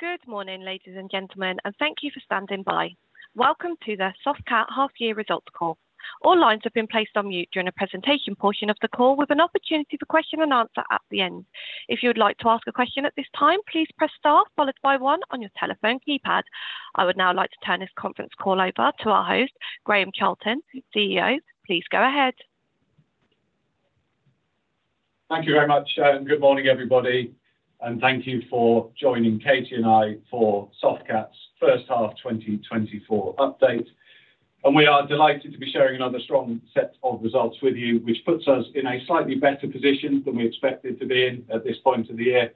Good morning, ladies and gentlemen, and thank you for standing by. Welcome to the Softcat Half-Year Results Call. All lines have been placed on mute during the presentation portion of the call, with an opportunity for question and answer at the end. If you would like to ask a question at this time, please press star followed by 1 on your telephone keypad. I would now like to turn this conference call over to our host, Graham Charlton, CEO. Please go ahead. Thank you very much, and good morning, everybody. Thank you for joining Katy and I for Softcat's first half 2024 update. We are delighted to be sharing another strong set of results with you, which puts us in a slightly better position than we expected to be in at this point of the year.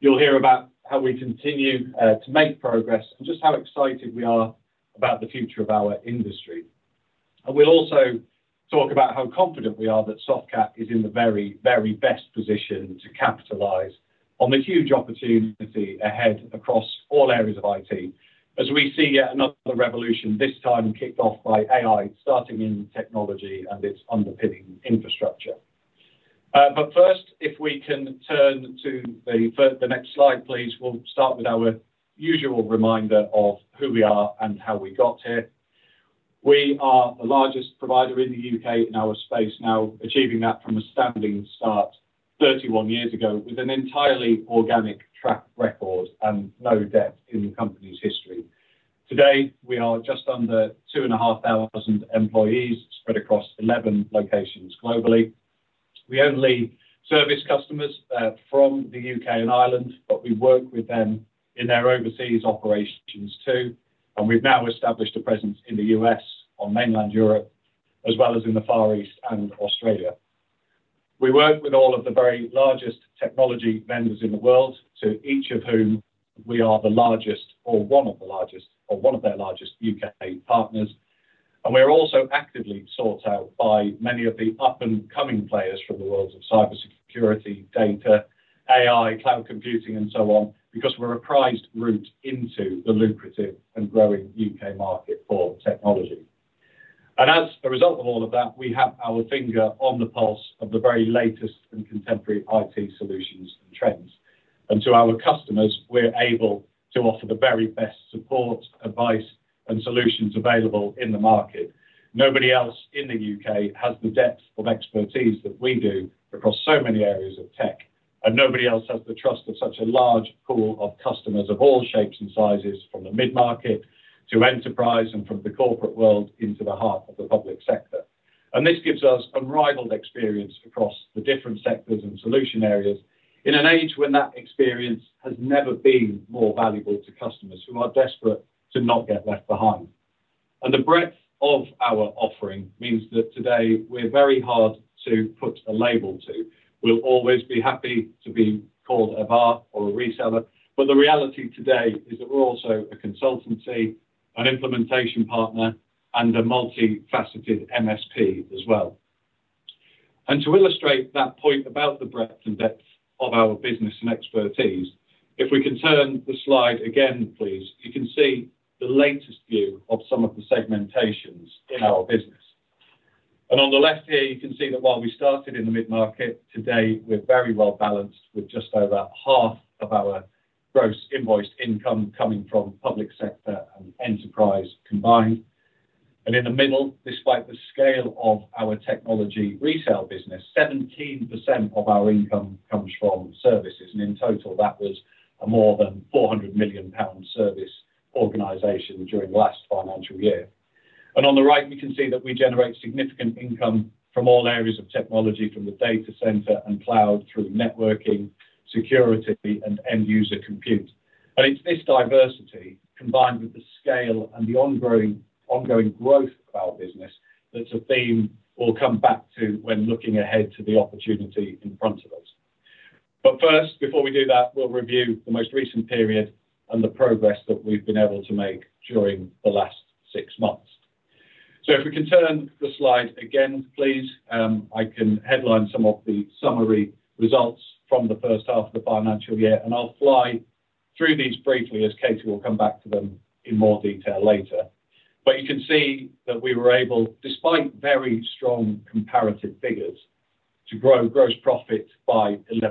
You'll hear about how we continue to make progress and just how excited we are about the future of our industry. We'll also talk about how confident we are that Softcat is in the very, very best position to capitalize on the huge opportunity ahead across all areas of IT, as we see yet another revolution this time kicked off by AI starting in technology and its underpinning infrastructure. But first, if we can turn to the next slide, please, we'll start with our usual reminder of who we are and how we got here. We are the largest provider in the U.K. in our space, now achieving that from a standing start 31 years ago with an entirely organic track record and no debt in the company's history. Today, we are just under 2,500 employees spread across 11 locations globally. We only service customers from the U.K. and Ireland, but we work with them in their overseas operations too. And we've now established a presence in the U.S., on mainland Europe, as well as in the Far East and Australia. We work with all of the very largest technology vendors in the world, to each of whom we are the largest or one of the largest or one of their largest U.K. partners. We are also actively sought out by many of the up-and-coming players from the worlds of cybersecurity, data, AI, cloud computing, and so on, because we're a prized route into the lucrative and growing UK market for technology. As a result of all of that, we have our finger on the pulse of the very latest and contemporary IT solutions and trends. To our customers, we're able to offer the very best support, advice, and solutions available in the market. Nobody else in the UK has the depth of expertise that we do across so many areas of tech, and nobody else has the trust of such a large pool of customers of all shapes and sizes, from the mid-market to enterprise and from the corporate world into the heart of the public sector. This gives us unrivaled experience across the different sectors and solution areas in an age when that experience has never been more valuable to customers who are desperate to not get left behind. The breadth of our offering means that today we're very hard to put a label to. We'll always be happy to be called a VAR or a reseller, but the reality today is that we're also a consultancy, an implementation partner, and a multifaceted MSP as well. To illustrate that point about the breadth and depth of our business and expertise, if we can turn the slide again, please, you can see the latest view of some of the segmentations in our business. On the left here, you can see that while we started in the mid-market, today we're very well balanced with just over half of our gross invoiced income coming from public sector and enterprise combined. In the middle, despite the scale of our technology resale business, 17% of our income comes from services. And in total, that was a more than 400 million pound service organization during the last financial year. On the right, we can see that we generate significant income from all areas of technology, from the data center and cloud through networking, security, and end-user compute. And it's this diversity, combined with the scale and the ongoing growth of our business, that's a theme we'll come back to when looking ahead to the opportunity in front of us. But first, before we do that, we'll review the most recent period and the progress that we've been able to make during the last six months. So if we can turn the slide again, please, I can headline some of the summary results from the first half of the financial year. And I'll fly through these briefly as Katy will come back to them in more detail later. But you can see that we were able, despite very strong comparative figures, to grow gross profit by 11%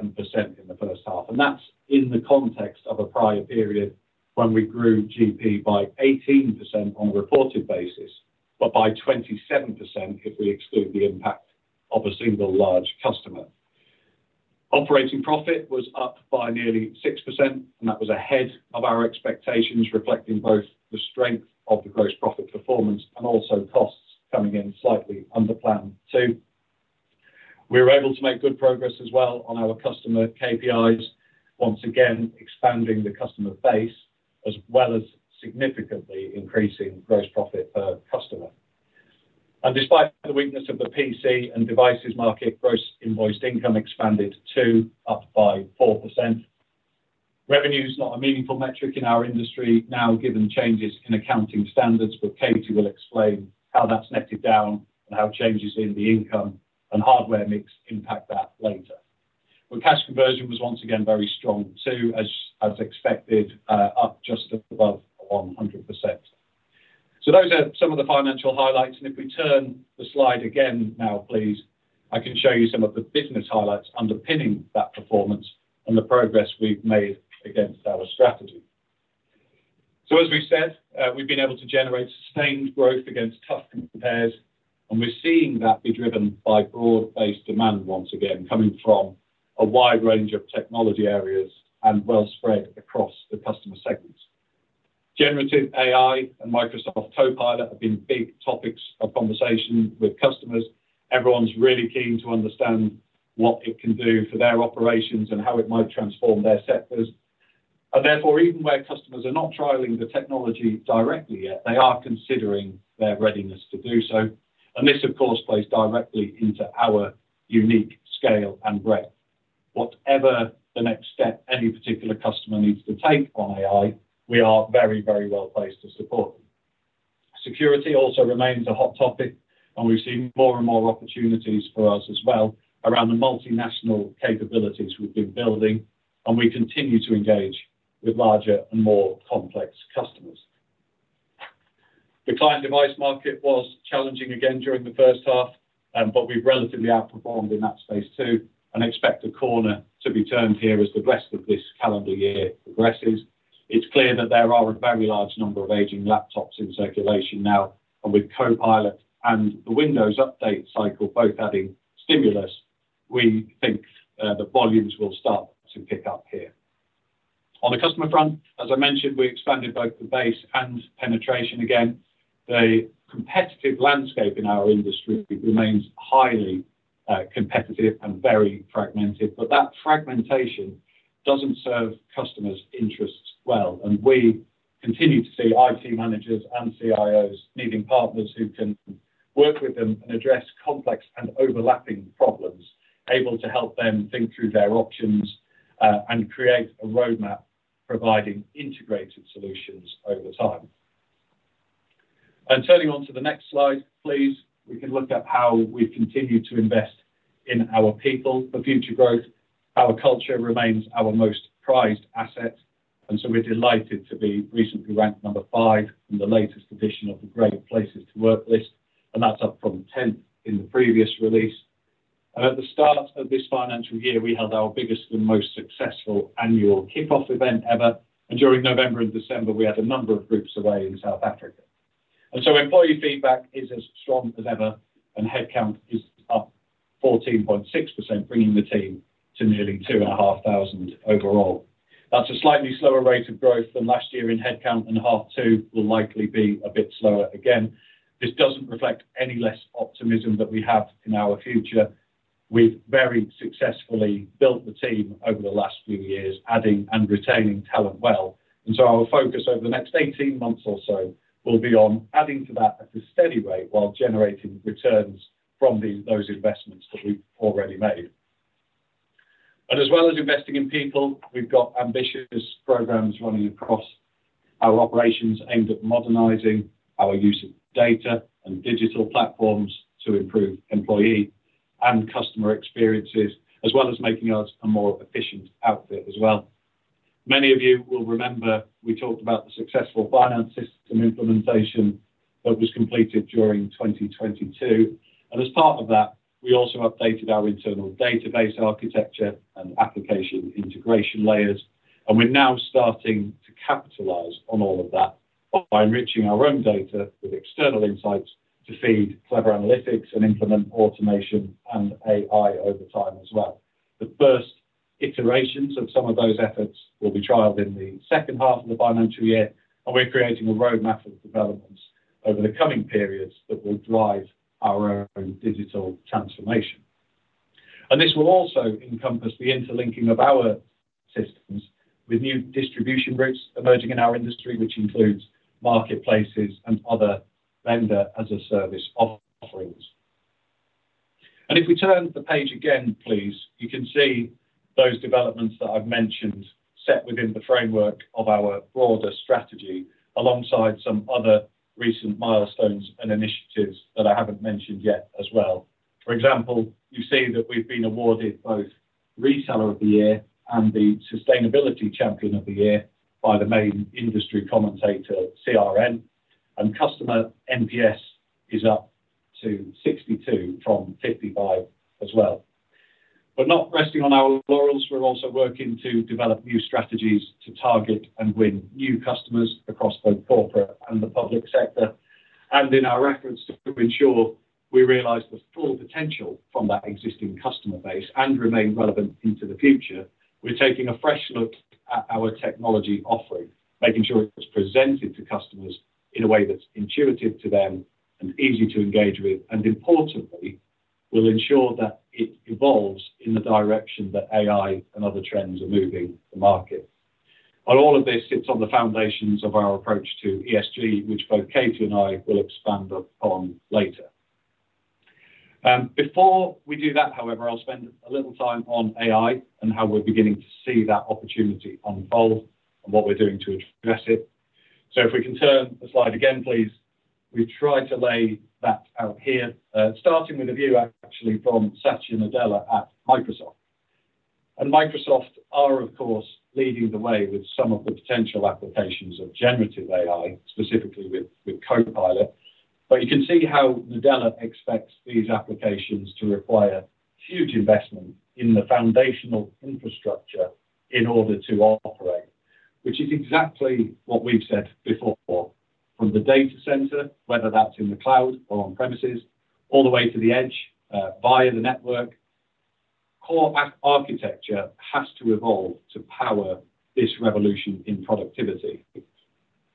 in the first half. And that's in the context of a prior period when we grew GP by 18% on a reported basis, but by 27% if we exclude the impact of a single large customer. Operating profit was up by nearly 6%, and that was ahead of our expectations, reflecting both the strength of the gross profit performance and also costs coming in slightly under plan too. We were able to make good progress as well on our customer KPIs, once again expanding the customer base as well as significantly increasing gross profit per customer. Despite the weakness of the PC and devices market, gross invoiced income expanded too, up by 4%. Revenue's not a meaningful metric in our industry now, given changes in accounting standards, but Katy will explain how that's netted down and how changes in the income and hardware mix impact that later. Cash conversion was once again very strong too, as expected, up just above 100%. Those are some of the financial highlights. And if we turn the slide again now, please, I can show you some of the business highlights underpinning that performance and the progress we've made against our strategy. So as we said, we've been able to generate sustained growth against tough compares, and we're seeing that be driven by broad-based demand once again, coming from a wide range of technology areas and well spread across the customer segments. Generative AI and Microsoft Copilot have been big topics of conversation with customers. Everyone's really keen to understand what it can do for their operations and how it might transform their sectors. And therefore, even where customers are not trialing the technology directly yet, they are considering their readiness to do so. And this, of course, plays directly into our unique scale and breadth. Whatever the next step any particular customer needs to take on AI, we are very, very well placed to support them. Security also remains a hot topic, and we've seen more and more opportunities for us as well around the multinational capabilities we've been building. We continue to engage with larger and more complex customers. The client device market was challenging again during the first half, but we've relatively outperformed in that space too and expect a corner to be turned here as the rest of this calendar year progresses. It's clear that there are a very large number of aging laptops in circulation now. With Copilot and the Windows update cycle both adding stimulus, we think the volumes will start to pick up here. On the customer front, as I mentioned, we expanded both the base and penetration again. The competitive landscape in our industry remains highly competitive and very fragmented. But that fragmentation doesn't serve customers' interests well. We continue to see IT managers and CIOs needing partners who can work with them and address complex and overlapping problems, able to help them think through their options and create a roadmap providing integrated solutions over time. Turning onto the next slide, please, we can look at how we continue to invest in our people for future growth. Our culture remains our most prized asset, and so we're delighted to be recently ranked 5 in the latest edition of the Great Place to Work list. That's up from 10th in the previous release. At the start of this financial year, we held our biggest and most successful annual kickoff event ever. During November and December, we had a number of groups away in South Africa. So employee feedback is as strong as ever, and headcount is up 14.6%, bringing the team to nearly 2,500 overall. That's a slightly slower rate of growth than last year in headcount, and H2 will likely be a bit slower again. This doesn't reflect any less optimism that we have in our future. We've very successfully built the team over the last few years, adding and retaining talent well. So our focus over the next 18 months or so will be on adding to that at a steady rate while generating returns from those investments that we've already made. As well as investing in people, we've got ambitious programs running across our operations aimed at modernizing our use of data and digital platforms to improve employee and customer experiences, as well as making us a more efficient outfit as well. Many of you will remember we talked about the successful finance system implementation that was completed during 2022. And as part of that, we also updated our internal database architecture and application integration layers. And we're now starting to capitalize on all of that by enriching our own data with external insights to feed clever analytics and implement automation and AI over time as well. The first iterations of some of those efforts will be trialed in the second half of the financial year, and we're creating a roadmap of developments over the coming periods that will drive our own digital transformation. And this will also encompass the interlinking of our systems with new distribution routes emerging in our industry, which includes marketplaces and other vendor-as-a-service offerings. And if we turn the page again, please, you can see those developments that I've mentioned set within the framework of our broader strategy alongside some other recent milestones and initiatives that I haven't mentioned yet as well. For example, you see that we've been awarded both Reseller of the Year and the Sustainability Champion of the Year by the main industry commentator, CRN. And Customer NPS is up to 62 from 55 as well. But not resting on our laurels, we're also working to develop new strategies to target and win new customers across both corporate and the public sector. And in our efforts to ensure we realize the full potential from that existing customer base and remain relevant into the future, we're taking a fresh look at our technology offering, making sure it's presented to customers in a way that's intuitive to them and easy to engage with. Importantly, we'll ensure that it evolves in the direction that AI and other trends are moving the market. All of this sits on the foundations of our approach to ESG, which both Katy and I will expand upon later. Before we do that, however, I'll spend a little time on AI and how we're beginning to see that opportunity unfold and what we're doing to address it. So if we can turn the slide again, please, we've tried to lay that out here, starting with a view actually from Satya Nadella at Microsoft. Microsoft are, of course, leading the way with some of the potential applications of generative AI, specifically with Copilot. You can see how Nadella expects these applications to require huge investment in the foundational infrastructure in order to operate, which is exactly what we've said before. From the data center, whether that's in the cloud or on-premises, all the way to the edge via the network, core architecture has to evolve to power this revolution in productivity,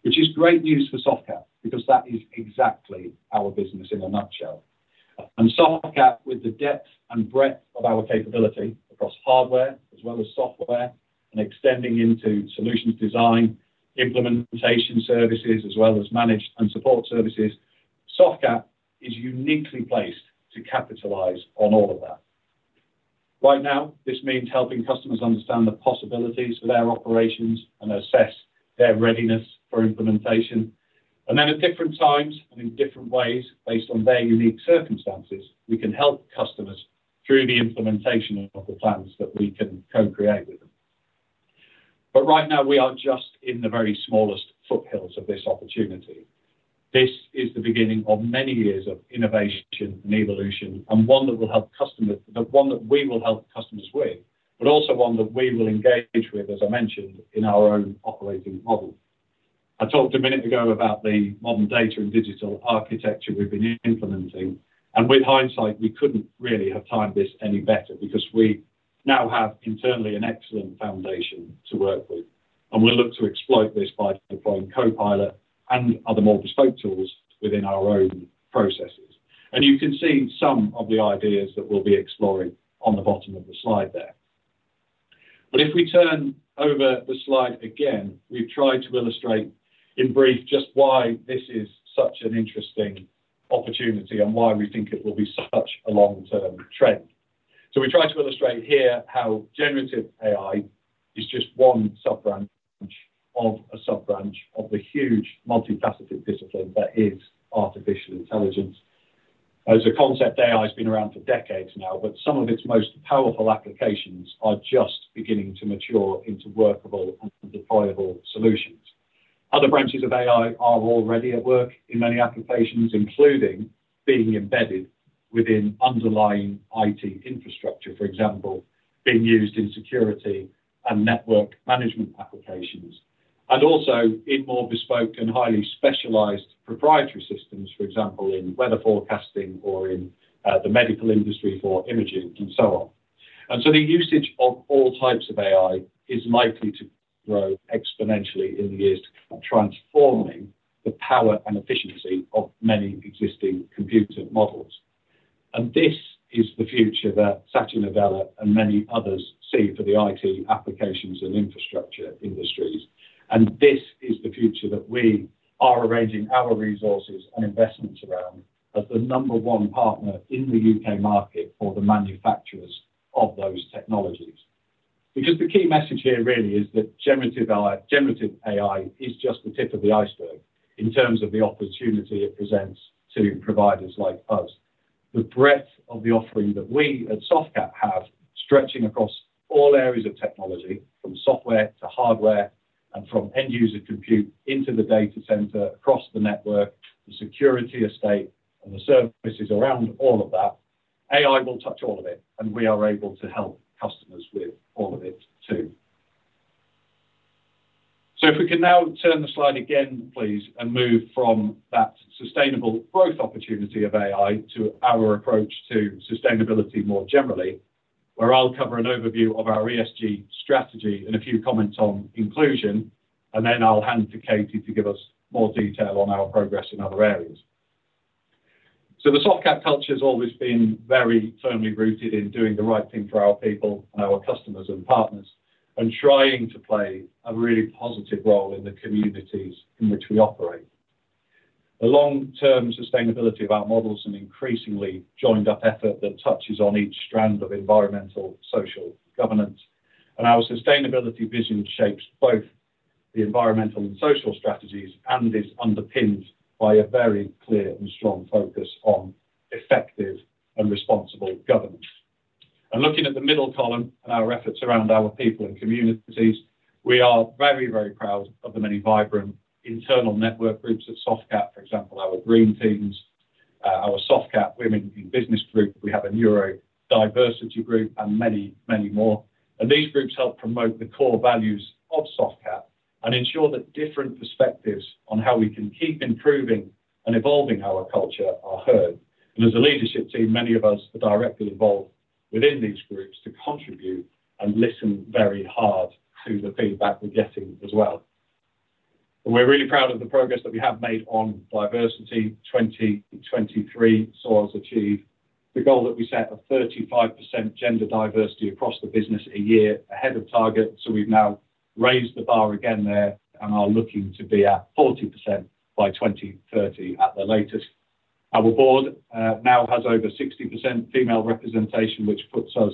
which is great news for Softcat because that is exactly our business in a nutshell. Softcat, with the depth and breadth of our capability across hardware as well as software and extending into solutions design, implementation services as well as managed and support services, Softcat is uniquely placed to capitalize on all of that. Right now, this means helping customers understand the possibilities for their operations and assess their readiness for implementation. And then at different times and in different ways, based on their unique circumstances, we can help customers through the implementation of the plans that we can co-create with them. But right now, we are just in the very smallest foothills of this opportunity. This is the beginning of many years of innovation and evolution and one that will help customers but one that we will help customers with, but also one that we will engage with, as I mentioned, in our own operating model. I talked a minute ago about the modern data and digital architecture we've been implementing. And with hindsight, we couldn't really have timed this any better because we now have internally an excellent foundation to work with. We'll look to exploit this by deploying Copilot and other more bespoke tools within our own processes. You can see some of the ideas that we'll be exploring on the bottom of the slide there. If we turn over the slide again, we've tried to illustrate in brief just why this is such an interesting opportunity and why we think it will be such a long-term trend. We try to illustrate here how generative AI is just one subbranch of a subbranch of the huge multifaceted discipline that is artificial intelligence. As a concept, AI's been around for decades now, but some of its most powerful applications are just beginning to mature into workable and deployable solutions. Other branches of AI are already at work in many applications, including being embedded within underlying IT infrastructure, for example, being used in security and network management applications, and also in more bespoke and highly specialized proprietary systems, for example, in weather forecasting or in the medical industry for imaging and so on. And so the usage of all types of AI is likely to grow exponentially in the years to come, transforming the power and efficiency of many existing computer models. And this is the future that Satya Nadella and many others see for the IT applications and infrastructure industries. And this is the future that we are arranging our resources and investments around as the number one partner in the U.K. market for the manufacturers of those technologies. Because the key message here really is that generative AI is just the tip of the iceberg in terms of the opportunity it presents to providers like us. The breadth of the offering that we at Softcat have, stretching across all areas of technology, from software to hardware and from end-user compute into the data center, across the network, the security estate, and the services around all of that, AI will touch all of it. And we are able to help customers with all of it too. So if we can now turn the slide again, please, and move from that sustainable growth opportunity of AI to our approach to sustainability more generally, where I'll cover an overview of our ESG strategy and a few comments on inclusion, and then I'll hand to Katy to give us more detail on our progress in other areas. So the Softcat culture has always been very firmly rooted in doing the right thing for our people and our customers and partners and trying to play a really positive role in the communities in which we operate. The long-term sustainability of our models and increasingly joined-up effort that touches on each strand of environmental, social, governance. Our sustainability vision shapes both the environmental and social strategies and is underpinned by a very clear and strong focus on effective and responsible governance. Looking at the middle column and our efforts around our people and communities, we are very, very proud of the many vibrant internal network groups at Softcat. For example, our Green Teams, our Softcat Women in Business group. We have a Neurodiversity group and many, many more. These groups help promote the core values of Softcat and ensure that different perspectives on how we can keep improving and evolving our culture are heard. As a leadership team, many of us are directly involved within these groups to contribute and listen very hard to the feedback we're getting as well. We're really proud of the progress that we have made on diversity. 2023 saw us achieve the goal that we set of 35% gender diversity across the business a year ahead of target. So we've now raised the bar again there and are looking to be at 40% by 2030 at the latest. Our board now has over 60% female representation, which puts us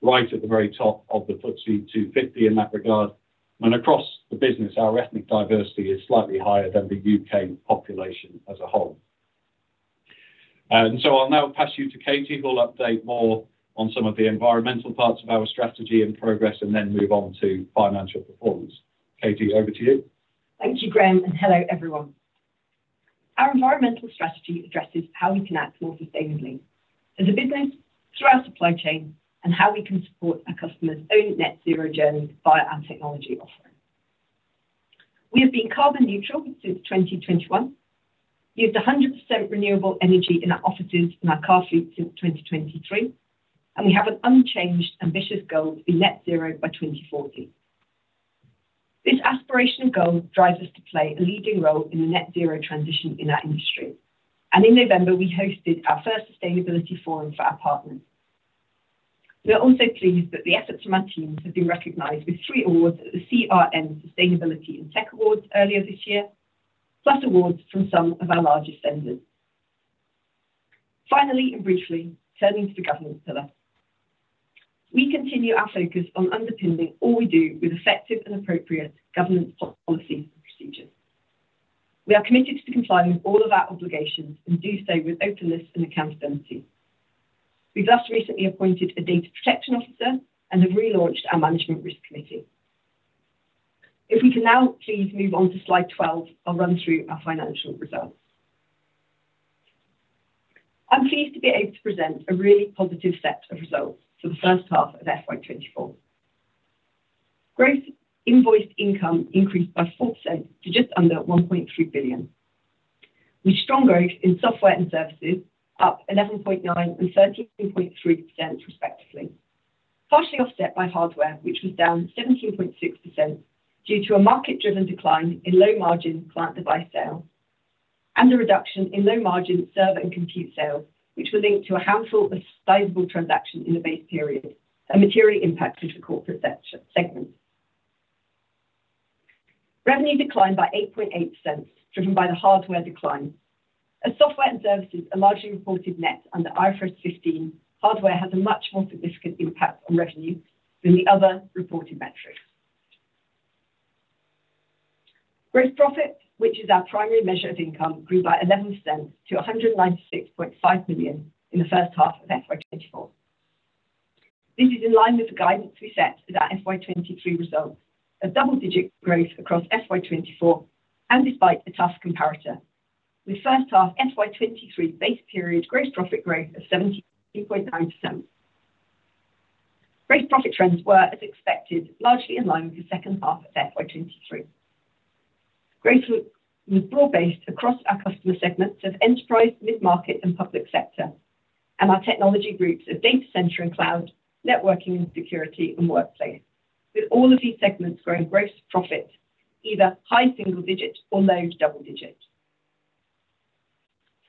right at the very top of the FTSE 250 in that regard. Across the business, our ethnic diversity is slightly higher than the UK population as a whole. So I'll now pass you to Katy, who'll update more on some of the environmental parts of our strategy and progress, and then move on to financial performance. Katy, over to you. Thank you, Graham, and hello, everyone. Our environmental strategy addresses how we can act more sustainably as a business through our supply chain and how we can support our customers' own net-zero journey via our technology offering. We have been carbon neutral since 2021, used 100% renewable energy in our offices and our car fleet since 2023, and we have an unchanged, ambitious goal to be net-zero by 2040. This aspirational goal drives us to play a leading role in the net-zero transition in our industry. In November, we hosted our first sustainability forum for our partners. We are also pleased that the efforts of our teams have been recognized with three awards at the CRN Sustainability and Tech Awards earlier this year, plus awards from some of our largest vendors. Finally, and briefly, turning to the governance pillar, we continue our focus on underpinning all we do with effective and appropriate governance policies and procedures. We are committed to complying with all of our obligations and do so with openness and accountability. We've just recently appointed a data protection officer and have relaunched our management risk committee. If we can now please move on to slide 12, I'll run through our financial results. I'm pleased to be able to present a really positive set of results for the first half of FY2024. Gross invoiced income increased by 4% to just under 1.3 billion, with strong growth in software and services up 11.9% and 13.3% respectively, partially offset by hardware, which was down 17.6% due to a market-driven decline in low-margin client-device sales and a reduction in low-margin server and compute sales, which were linked to a handful of sizable transactions in the base period and materially impacted the corporate segment. Revenue declined by 8.8%, driven by the hardware decline. As software and services are largely reported net under IFRS 15, hardware has a much more significant impact on revenue than the other reported metrics. Gross profit, which is our primary measure of income, grew by 11% to 196.5 million in the first half of FY2024. This is in line with the guidance we set as our FY23 results, a double-digit growth across FY24 and despite a tough comparator, with first-half FY23 base period gross profit growth of 17.9%. Gross profit trends were, as expected, largely in line with the second half of FY23. Growth was broad-based across our customer segments of enterprise, mid-market, and public sector, and our technology groups of data center and cloud, networking and security, and workplace, with all of these segments growing gross profit either high single-digit or low double-digit.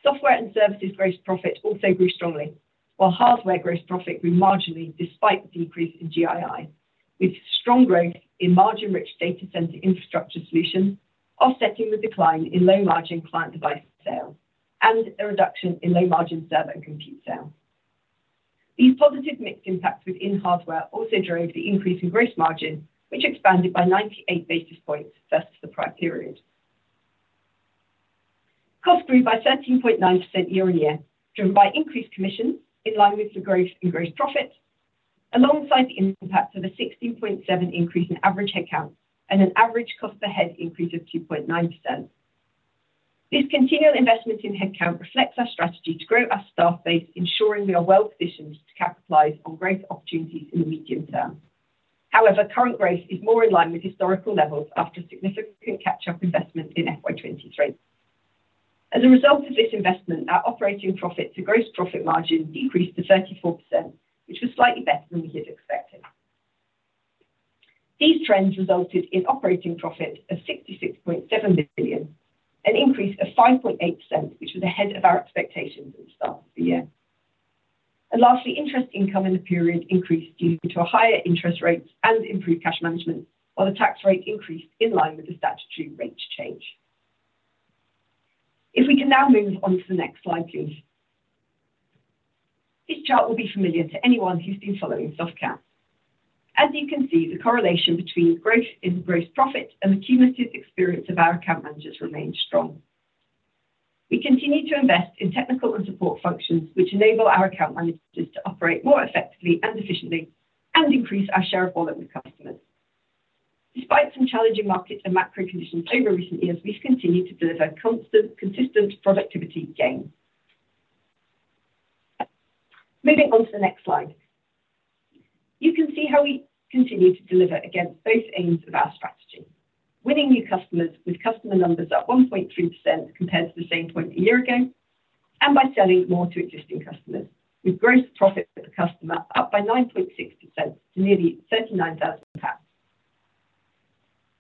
Software and services gross profit also grew strongly, while hardware gross profit grew marginally despite the decrease in GII, with strong growth in margin-rich data center infrastructure solutions offsetting the decline in low-margin client-device sales and a reduction in low-margin server and compute sales. These positive mixed impacts within hardware also drove the increase in gross margin, which expanded by 98 basis points versus the prior period. Costs grew by 13.9% year-on-year, driven by increased commissions in line with the growth in gross profit, alongside the impact of a 16.7% increase in average headcount and an average cost per head increase of 2.9%. This continual investment in headcount reflects our strategy to grow our staff base, ensuring we are well-positioned to capitalize on growth opportunities in the medium term. However, current growth is more in line with historical levels after significant catch-up investment in FY23. As a result of this investment, our operating profit-to-gross profit margin decreased to 34%, which was slightly better than we had expected. These trends resulted in operating profit of 66.7 million, an increase of 5.8%, which was ahead of our expectations at the start of the year. And lastly, interest income in the period increased due to higher interest rates and improved cash management, while the tax rate increased in line with the statutory rate change. If we can now move on to the next slide, please. This chart will be familiar to anyone who's been following Softcat. As you can see, the correlation between growth in gross profit and the cumulative experience of our account managers remains strong. We continue to invest in technical and support functions, which enable our account managers to operate more effectively and efficiently and increase our share of wallet with customers. Despite some challenging market and macro conditions over recent years, we've continued to deliver constant, consistent productivity gains. Moving on to the next slide. You can see how we continue to deliver against both aims of our strategy: winning new customers with customer numbers up 1.3% compared to the same point a year ago and by selling more to existing customers, with gross profit per customer up by 9.6% to nearly 39,000 pounds.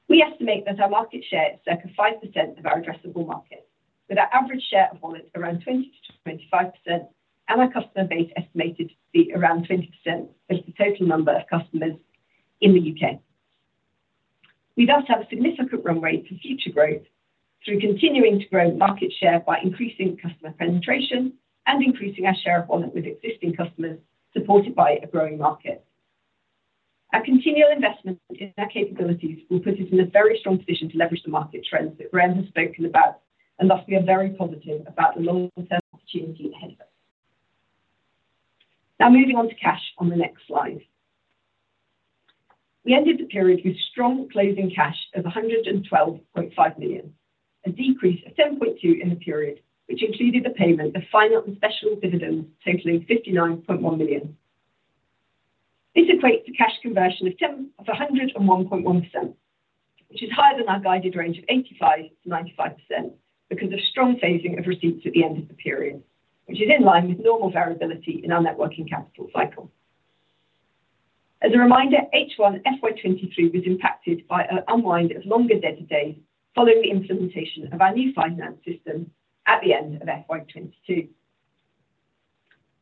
We estimate that our market share is circa 5% of our addressable market, with our average share of wallet around 20%-25% and our customer base estimated to be around 20% of the total number of customers in the UK. We thus have a significant runway for future growth through continuing to grow market share by increasing customer penetration and increasing our share of wallet with existing customers supported by a growing market. Our continual investment in our capabilities will put us in a very strong position to leverage the market trends that Graham has spoken about, and thus we are very positive about the longer-term opportunity ahead of us. Now moving on to cash on the next slide. We ended the period with strong closing cash of 112.5 million, a decrease of 10.2% in the period, which included the payment of final and special dividends totaling 59.1 million. This equates to cash conversion of 101.1%, which is higher than our guided range of 85%-95% because of strong phasing of receipts at the end of the period, which is in line with normal variability in our working capital cycle. As a reminder, H1 FY23 was impacted by an unwind of longer dead days following the implementation of our new finance system at the end of FY22.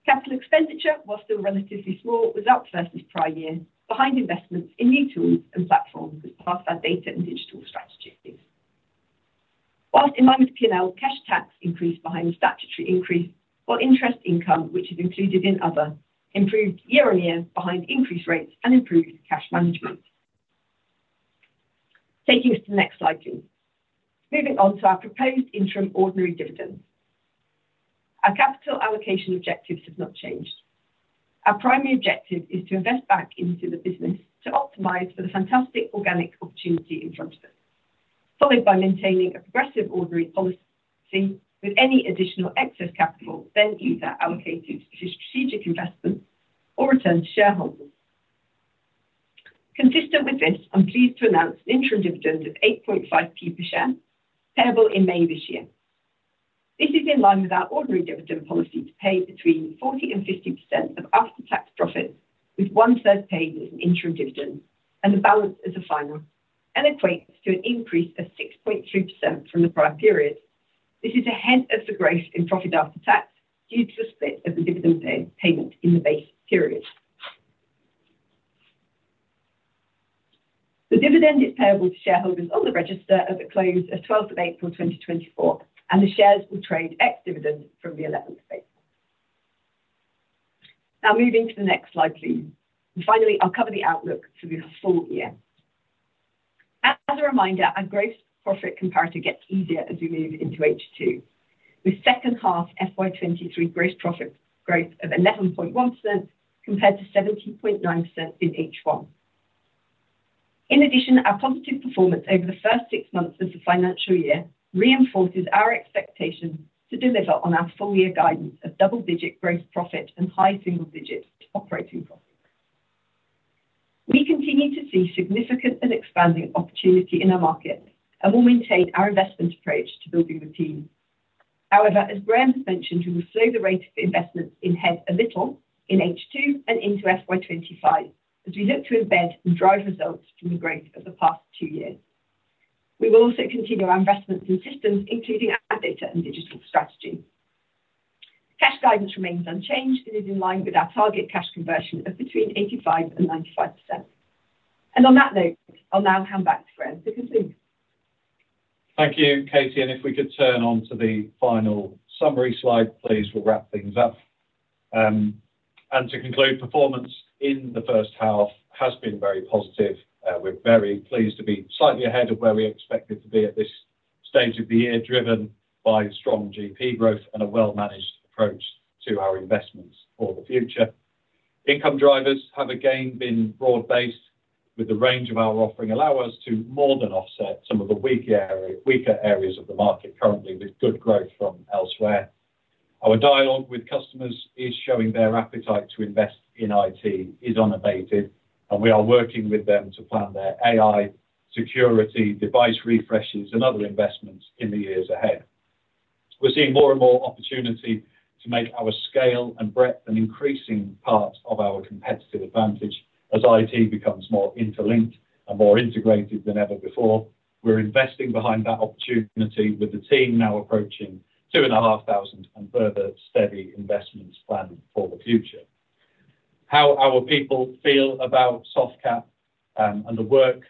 Capital expenditure, while still relatively small, was up versus prior year, behind investments in new tools and platforms as part of our data and digital strategies. While in line with P&L, cash tax increased behind the statutory increase, while interest income, which is included in other, improved year-over-year behind increased rates and improved cash management. Taking us to the next slide, please. Moving on to our proposed interim ordinary dividends. Our capital allocation objectives have not changed. Our primary objective is to invest back into the business to optimize for the fantastic organic opportunity in front of us, followed by maintaining a progressive ordinary policy with any additional excess capital then either allocated to strategic investments or returned to shareholders. Consistent with this, I'm pleased to announce an interim dividend of 8.5p per share, payable in May this year. This is in line with our ordinary dividend policy to pay between 40% and 50% of after-tax profits, with one-third paid as an interim dividend and the balance as a final, and equates to an increase of 6.3% from the prior period. This is ahead of the growth in profit after tax due to the split of the dividend payment in the base period. The dividend is payable to shareholders on the register at the close of 12th April 2024, and the shares will trade ex-dividend from the 11th of April. Now moving to the next slide, please. Finally, I'll cover the outlook for the full year. As a reminder, our gross profit comparator gets easier as we move into H2, with second-half FY23 gross profit growth of 11.1% compared to 70.9% in H1. In addition, our positive performance over the first six months of the financial year reinforces our expectations to deliver on our full-year guidance of double-digit gross profit and high single-digit operating profits. We continue to see significant and expanding opportunity in our market and will maintain our investment approach to building the team. However, as Graham has mentioned, we will slow the rate of investments in headcount a little in H2 and into FY25 as we look to embed and drive results from the growth of the past two years. We will also continue our investments in systems, including our data and digital strategy. Cash guidance remains unchanged and is in line with our target cash conversion of between 85%-95%. On that note, I'll now hand back to Graham to conclude. Thank you, Katy. And if we could turn on to the final summary slide, please, we'll wrap things up. And to conclude, performance in the first half has been very positive. We're very pleased to be slightly ahead of where we expected to be at this stage of the year, driven by strong GP growth and a well-managed approach to our investments for the future. Income drivers have again been broad-based, with the range of our offering allow us to more than offset some of the weaker areas of the market currently, with good growth from elsewhere. Our dialogue with customers is showing their appetite to invest in IT is unabated, and we are working with them to plan their AI, security, device refreshes, and other investments in the years ahead. We're seeing more and more opportunity to make our scale and breadth an increasing part of our competitive advantage as IT becomes more interlinked and more integrated than ever before. We're investing behind that opportunity with the team now approaching 2,500 and further steady investments planned for the future. How our people feel about Softcat and the work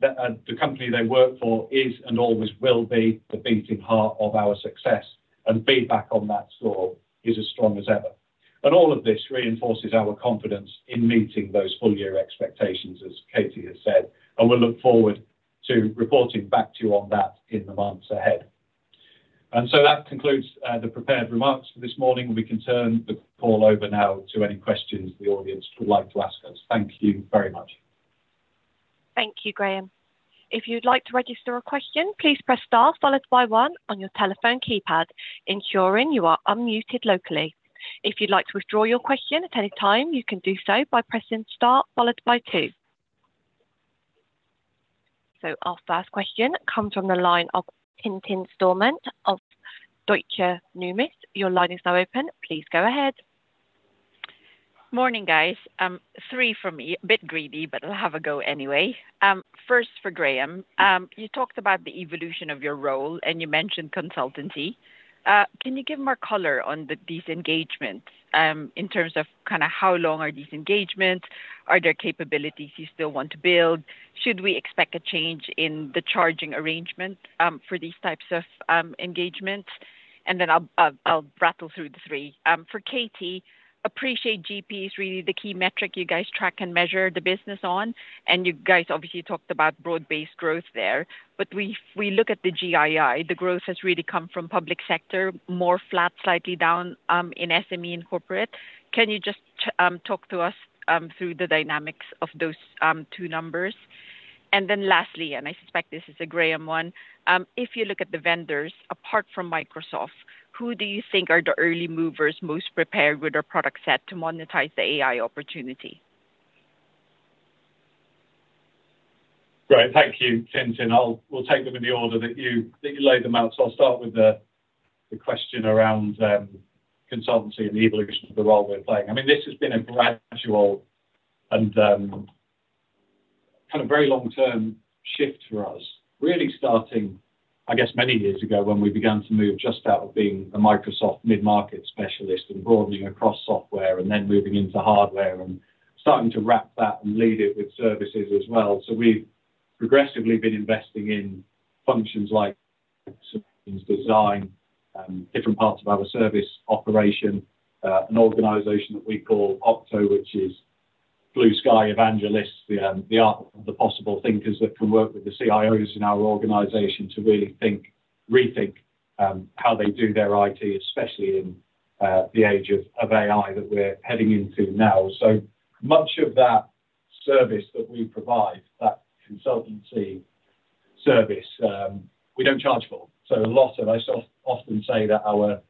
that the company they work for is and always will be the beating heart of our success, and feedback on that score is as strong as ever. All of this reinforces our confidence in meeting those full-year expectations, as Katy has said, and we'll look forward to reporting back to you on that in the months ahead. So that concludes the prepared remarks for this morning. We can turn the call over now to any questions the audience would like to ask us. Thank you very much. Thank you, Graham. If you'd like to register a question, please press star followed by 1 on your telephone keypad, ensuring you are unmuted locally. If you'd like to withdraw your question at any time, you can do so by pressing star followed by 2. Our first question comes from the line of Tintin Stormont of Deutsche Numis. Your line is now open. Please go ahead. Morning, guys. Three from me, a bit greedy, but I'll have a go anyway. First for Graham. You talked about the evolution of your role, and you mentioned consultancy. Can you give more color on these engagements in terms of kind of how long are these engagements? Are there capabilities you still want to build? Should we expect a change in the charging arrangement for these types of engagements? And then I'll rattle through the three. For Katy, appreciate GP is really the key metric you guys track and measure the business on. And you guys obviously talked about broad-based growth there. But we look at the GII. The growth has really come from public sector, more flat, slightly down in SME and corporate. Can you just talk to us through the dynamics of those two numbers? And then lastly, and I suspect this is a Graham one, if you look at the vendors, apart from Microsoft, who do you think are the early movers, most prepared with their product set to monetize the AI opportunity? Great. Thank you, Tintin. We'll take them in the order that you lay them out. So I'll start with the question around consultancy and the evolution of the role we're playing. I mean, this has been a gradual and kind of very long-term shift for us, really starting, I guess, many years ago when we began to move just out of being a Microsoft mid-market specialist and broadening across software and then moving into hardware and starting to wrap that and lead it with services as well. So we've progressively been investing in functions like solutions design, different parts of our service operation, an organization that we call OCTO, which is Blue Sky Evangelists, the art of the possible thinkers that can work with the CIOs in our organization to really rethink how they do their IT, especially in the age of AI that we're heading into now. So much of that service that we provide, that consultancy service, we don't charge for. So a lot of, I often say that our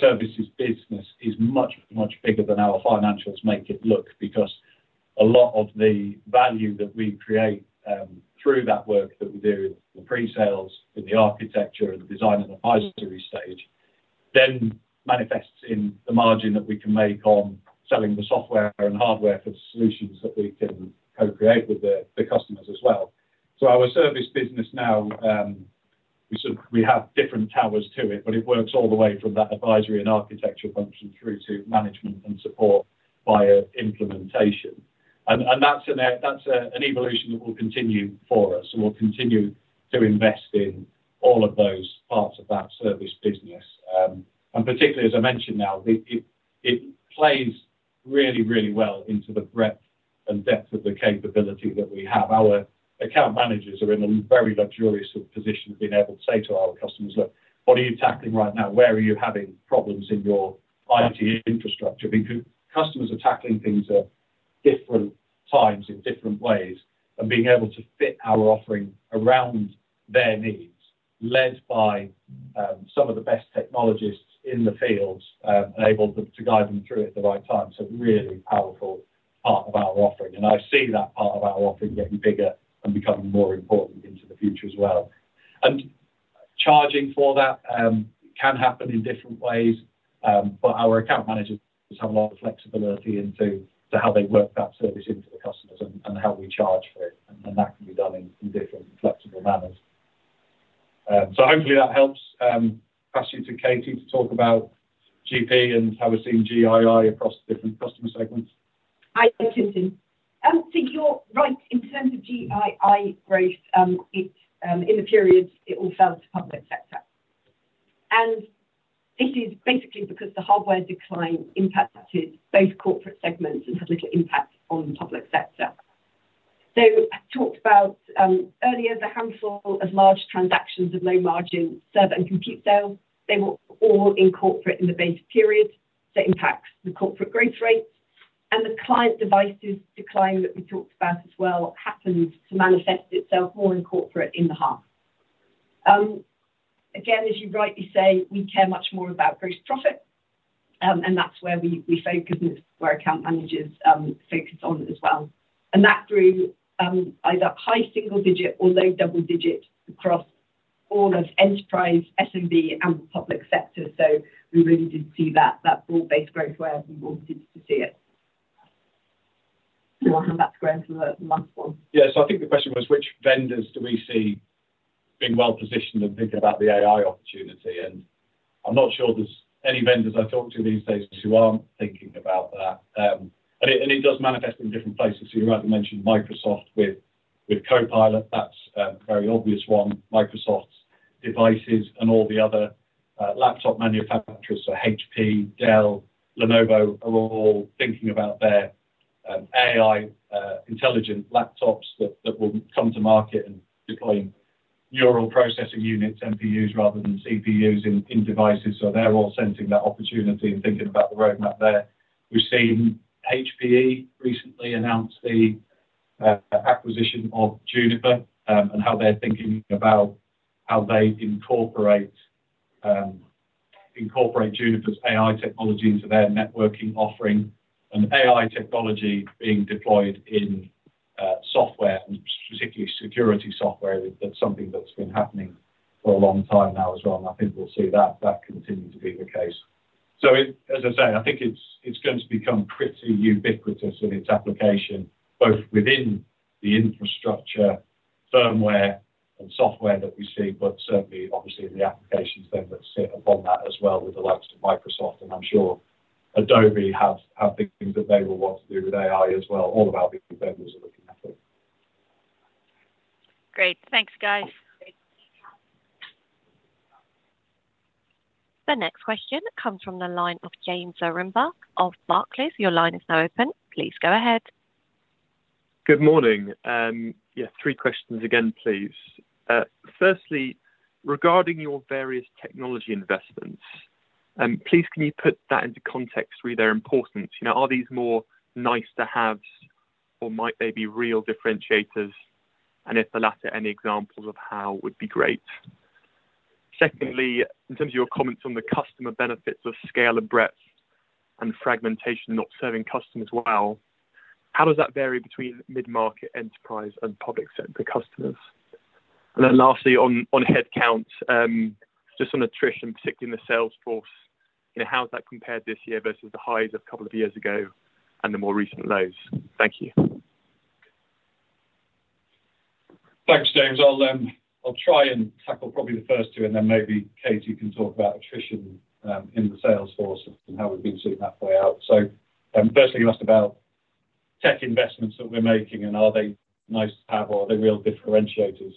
services business is much, much bigger than our financials make it look because a lot of the value that we create through that work that we do in the presales, in the architecture, and the design and advisory stage then manifests in the margin that we can make on selling the software and hardware for the solutions that we can co-create with the customers as well. So our service business now, we have different towers to it, but it works all the way from that advisory and architectural function through to management and support via implementation. And that's an evolution that will continue for us. So we'll continue to invest in all of those parts of that service business. Particularly, as I mentioned now, it plays really, really well into the breadth and depth of the capability that we have. Our account managers are in a very luxurious sort of position of being able to say to our customers, "Look, what are you tackling right now? Where are you having problems in your IT infrastructure?" Because customers are tackling things at different times in different ways, and being able to fit our offering around their needs, led by some of the best technologists in the fields, enabled them to guide them through at the right time. Really powerful part of our offering. I see that part of our offering getting bigger and becoming more important into the future as well. And charging for that can happen in different ways, but our account managers have a lot of flexibility into how they work that service into the customers and how we charge for it. And that can be done in different flexible manners. So hopefully, that helps pass you to Katy to talk about GP and how we're seeing GII across the different customer segments. Hi, Tintin. You're right. In terms of GII growth, in the period, it all fell to public sector. This is basically because the hardware decline impacted both corporate segments and had little impact on public sector. I talked about earlier the handful of large transactions of low-margin server and compute sales. They were all in corporate in the base period. It impacts the corporate growth rates. The client devices decline that we talked about as well happens to manifest itself more in corporate in the half. Again, as you rightly say, we care much more about gross profit, and that's where we focus, and it's where account managers focus on as well. That grew either high single-digit or low double-digit across all of enterprise, SMB, and public sector. We really did see that broad-based growth where we wanted to see it. I'll hand back to Graham for the last one. Yeah. So I think the question was, which vendors do we see being well-positioned and thinking about the AI opportunity? And I'm not sure there's any vendors I talk to these days who aren't thinking about that. And it does manifest in different places. So you rightly mentioned Microsoft with Copilot. That's a very obvious one. Microsoft's devices and all the other laptop manufacturers, so HP, Dell, Lenovo, are all thinking about their AI-intelligent laptops that will come to market and deploy neural processing units, NPUs, rather than CPUs in devices. So they're all sensing that opportunity and thinking about the roadmap there. We've seen HPE recently announce the acquisition of Juniper and how they're thinking about how they incorporate Juniper's AI technology into their networking offering and AI technology being deployed in software, and particularly security software. That's something that's been happening for a long time now as well. And I think we'll see that continue to be the case. So as I say, I think it's going to become pretty ubiquitous in its application, both within the infrastructure, firmware, and software that we see, but certainly, obviously, in the applications then that sit upon that as well with the likes of Microsoft. And I'm sure Adobe have things that they will want to do with AI as well, all of our big vendors are looking at it. Great. Thanks, guys. The next question comes from the line of James Owen, Barclays. Your line is now open. Please go ahead. Good morning. Yeah, three questions again, please. Firstly, regarding your various technology investments, please, can you put that into context through their importance? Are these more nice-to-haves, or might they be real differentiators? And if the latter, any examples of how would be great. Secondly, in terms of your comments on the customer benefits of scale and breadth and fragmentation and observing customers well, how does that vary between mid-market, enterprise, and public sector customers? And then lastly, on headcount, just on attrition, particularly in the sales force, how's that compared this year versus the highs of a couple of years ago and the more recent lows? Thank you. Thanks, James. I'll try and tackle probably the first two, and then maybe Katy can talk about attrition in the sales force and how we've been seeing that play out. So firstly, you asked about tech investments that we're making, and are they nice-to-have, or are they real differentiators?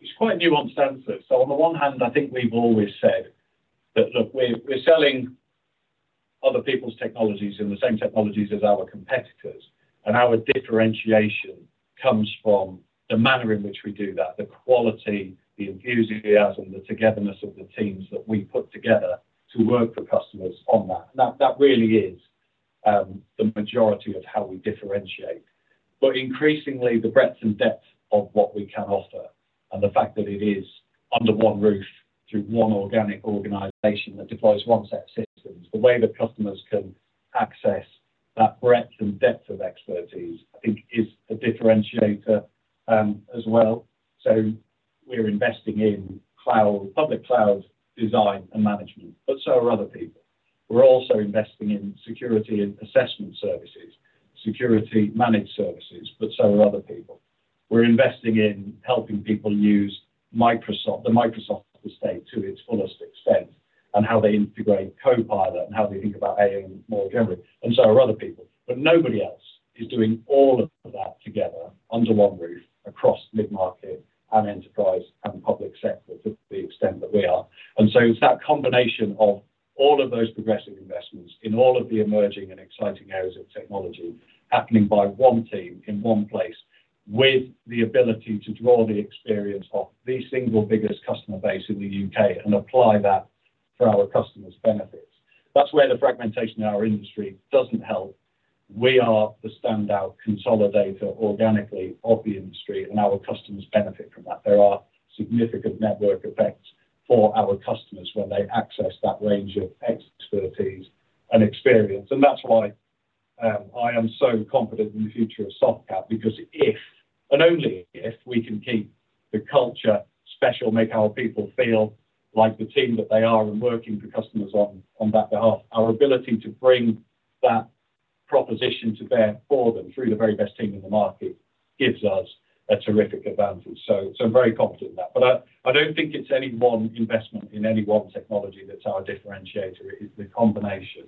It's quite a nuanced answer. So on the one hand, I think we've always said that, "Look, we're selling other people's technologies and the same technologies as our competitors." And our differentiation comes from the manner in which we do that, the quality, the enthusiasm, the togetherness of the teams that we put together to work for customers on that. And that really is the majority of how we differentiate. But increasingly, the breadth and depth of what we can offer and the fact that it is under one roof through one organic organization that deploys one set of systems, the way that customers can access that breadth and depth of expertise, I think, is a differentiator as well. So we're investing in public cloud design and management, but so are other people. We're also investing in security and assessment services, security-managed services, but so are other people. We're investing in helping people use the Microsoft estate to its fullest extent and how they integrate Copilot and how they think about AI more generally. And so are other people. But nobody else is doing all of that together under one roof across mid-market and enterprise and public sector to the extent that we are. And so it's that combination of all of those progressive investments in all of the emerging and exciting areas of technology happening by one team in one place with the ability to draw the experience of the single biggest customer base in the UK and apply that for our customers' benefits. That's where the fragmentation in our industry doesn't help. We are the standout consolidator organically of the industry, and our customers benefit from that. There are significant network effects for our customers when they access that range of expertise and experience. That's why I am so confident in the future of Softcat because if and only if we can keep the culture special, make our people feel like the team that they are and working for customers on that behalf, our ability to bring that proposition to bear for them through the very best team in the market gives us a terrific advantage. So I'm very confident in that. But I don't think it's any one investment in any one technology that's our differentiator. It is the combination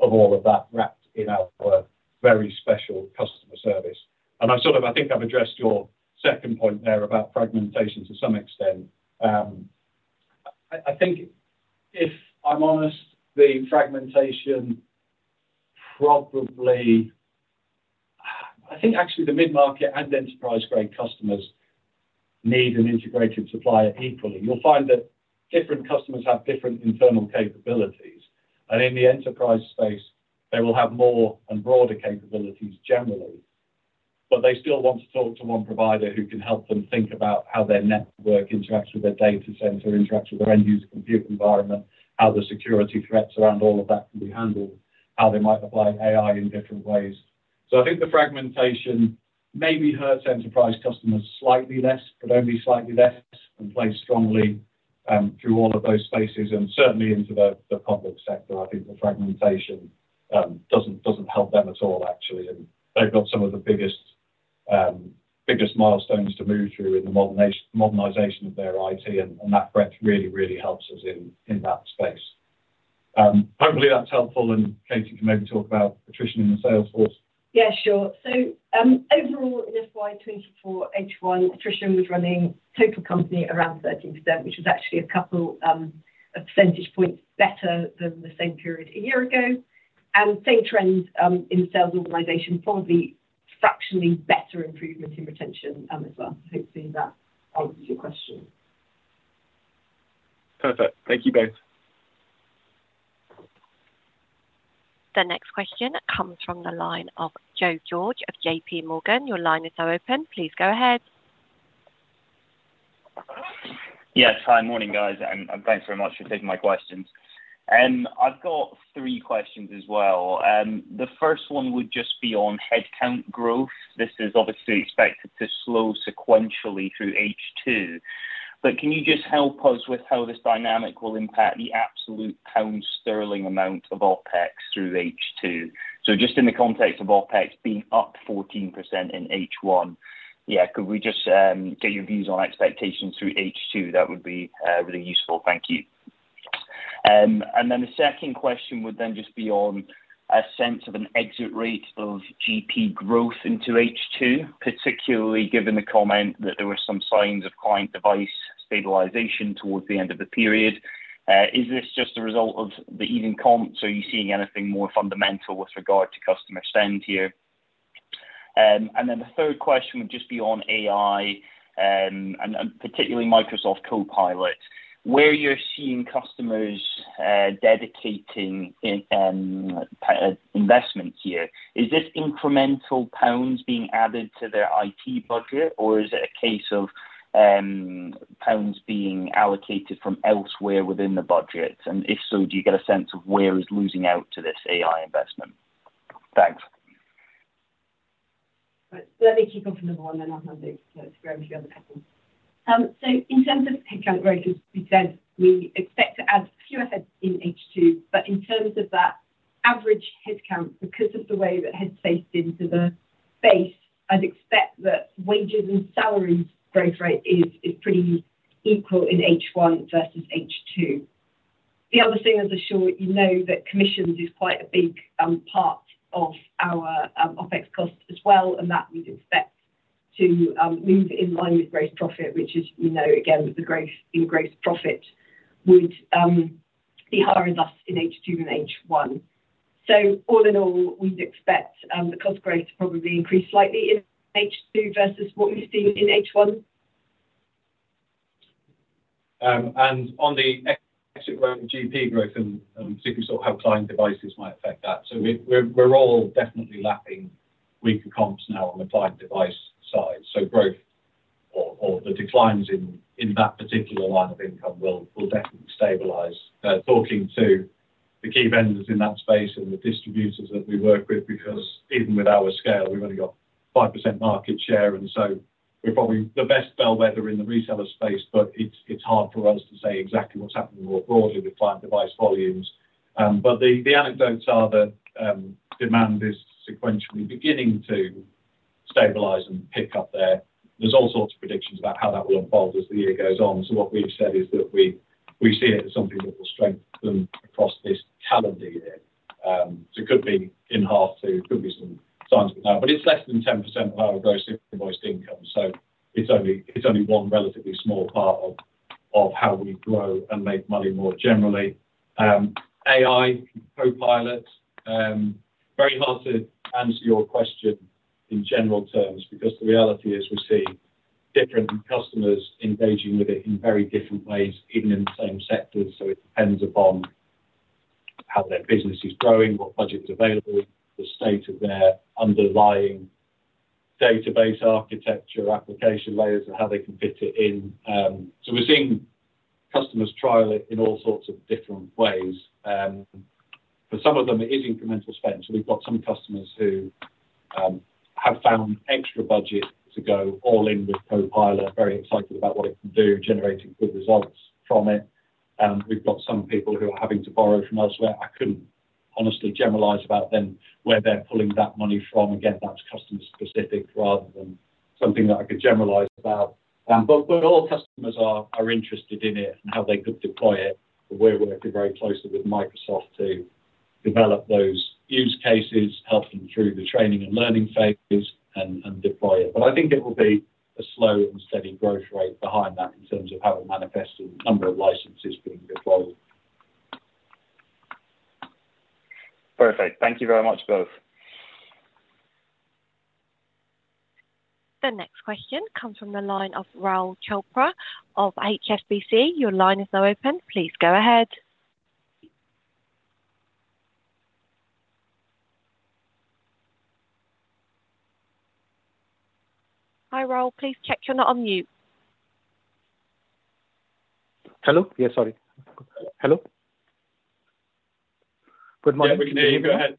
of all of that wrapped in our very special customer service. I think I've addressed your second point there about fragmentation to some extent. I think, if I'm honest, the fragmentation probably I think, actually, the mid-market and enterprise-grade customers need an integrated supplier equally. You'll find that different customers have different internal capabilities. And in the enterprise space, they will have more and broader capabilities generally. But they still want to talk to one provider who can help them think about how their network interacts with their data center, interacts with their end-user compute environment, how the security threats around all of that can be handled, how they might apply AI in different ways. So I think the fragmentation maybe hurts enterprise customers slightly less, but only slightly less, and plays strongly through all of those spaces. And certainly, into the public sector, I think the fragmentation doesn't help them at all, actually. And they've got some of the biggest milestones to move through in the modernization of their IT. And that breadth really, really helps us in that space. Hopefully, that's helpful. And Katy can maybe talk about attrition in the sales force. Yeah, sure. So overall, in FY24H1, attrition was running total company around 13%, which was actually a couple of percentage points better than the same period a year ago. And same trend in the sales organization, probably fractionally better improvement in retention as well. So hopefully, that answers your question. Perfect. Thank you both. The next question comes from the line of Joe George of J.P. Morgan. Your line is now open. Please go ahead. Yes. Hi. Morning, guys. And thanks very much for taking my questions. And I've got three questions as well. The first one would just be on headcount growth. This is obviously expected to slow sequentially through H2. But can you just help us with how this dynamic will impact the absolute pound sterling amount of OpEx through H2? So just in the context of OpEx being up 14% in H1, yeah, could we just get your views on expectations through H2? That would be really useful. Thank you. And then the second question would then just be on a sense of an exit rate of GP growth into H2, particularly given the comment that there were some signs of client device stabilization towards the end of the period. Is this just a result of the even comp? So are you seeing anything more fundamental with regard to customer spend here? And then the third question would just be on AI and particularly Microsoft Copilot. Where you're seeing customers dedicating investments here, is this incremental pounds being added to their IT budget, or is it a case of pounds being allocated from elsewhere within the budget? And if so, do you get a sense of where is losing out to this AI investment? Thanks. Let me keep on from the board, and then I'll hand it to Graham for the other people. So in terms of headcount growth, as we said, we expect to add fewer heads in H2. But in terms of that average headcount, because of the way that heads faced into the base, I'd expect that wages and salaries growth rate is pretty equal in H1 versus H2. The other thing, as I'm sure you know, that commissions is quite a big part of our OpEx costs as well, and that we'd expect to move in line with gross profit, which is, again, the growth in gross profit would be higher thus in H2 than H1. So all in all, we'd expect the cost growth to probably increase slightly in H2 versus what we've seen in H1. On the exit rate of GP growth and particularly sort of how client devices might affect that, so we're all definitely lapping weaker comps now on the client device side. Growth or the declines in that particular line of income will definitely stabilize. Talking to the key vendors in that space and the distributors that we work with because even with our scale, we've only got 5% market share. We're probably the best bellwether in the reseller space, but it's hard for us to say exactly what's happening more broadly with client device volumes. The anecdotes are that demand is sequentially beginning to stabilize and pick up there. There's all sorts of predictions about how that will unfold as the year goes on. What we've said is that we see it as something that will strengthen across this calendar year. So it could be in H2. It could be some signs of it now. But it's less than 10% of our gross invoiced income. So it's only one relatively small part of how we grow and make money more generally. AI, Copilot, very hard to answer your question in general terms because the reality is we see different customers engaging with it in very different ways, even in the same sectors. So it depends upon how their business is growing, what budget is available, the state of their underlying database architecture, application layers, and how they can fit it in. So we're seeing customers trial it in all sorts of different ways. For some of them, it is incremental spend. So we've got some customers who have found extra budget to go all in with Copilot, very excited about what it can do, generating good results from it. We've got some people who are having to borrow from elsewhere. I couldn't honestly generalize about them where they're pulling that money from. Again, that's customer-specific rather than something that I could generalize about. But all customers are interested in it and how they could deploy it. And we're working very closely with Microsoft to develop those use cases, help them through the training and learning phase, and deploy it. But I think it will be a slow and steady growth rate behind that in terms of how it manifests in number of licenses being deployed. Perfect. Thank you very much, both. The next question comes from the line of Rahul Chopra of HSBC. Your line is now open. Please go ahead. Hi, Rahul. Please check you're not on mute. Hello. Yeah, sorry. Hello. Good morning. Yeah, we can hear you. Go ahead.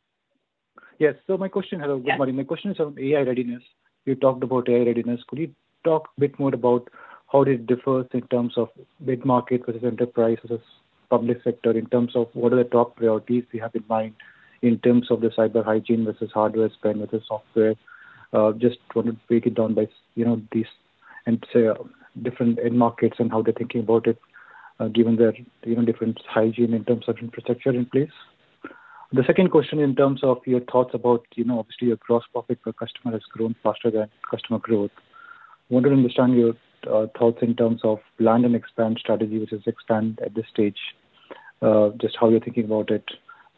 Yes. So, my question. Hello. Good morning. My question is on AI readiness. You talked about AI readiness. Could you talk a bit more about how it differs in terms of mid-market versus enterprise versus public sector, in terms of what are the top priorities we have in mind in terms of the cyber hygiene versus hardware spend versus software? Just wanted to break it down by these and say different end markets and how they're thinking about it given their different hygiene in terms of infrastructure in place. The second question in terms of your thoughts about obviously, your gross profit per customer has grown faster than customer growth. Wanted to understand your thoughts in terms of land and expand strategy, which is expand at this stage, just how you're thinking about it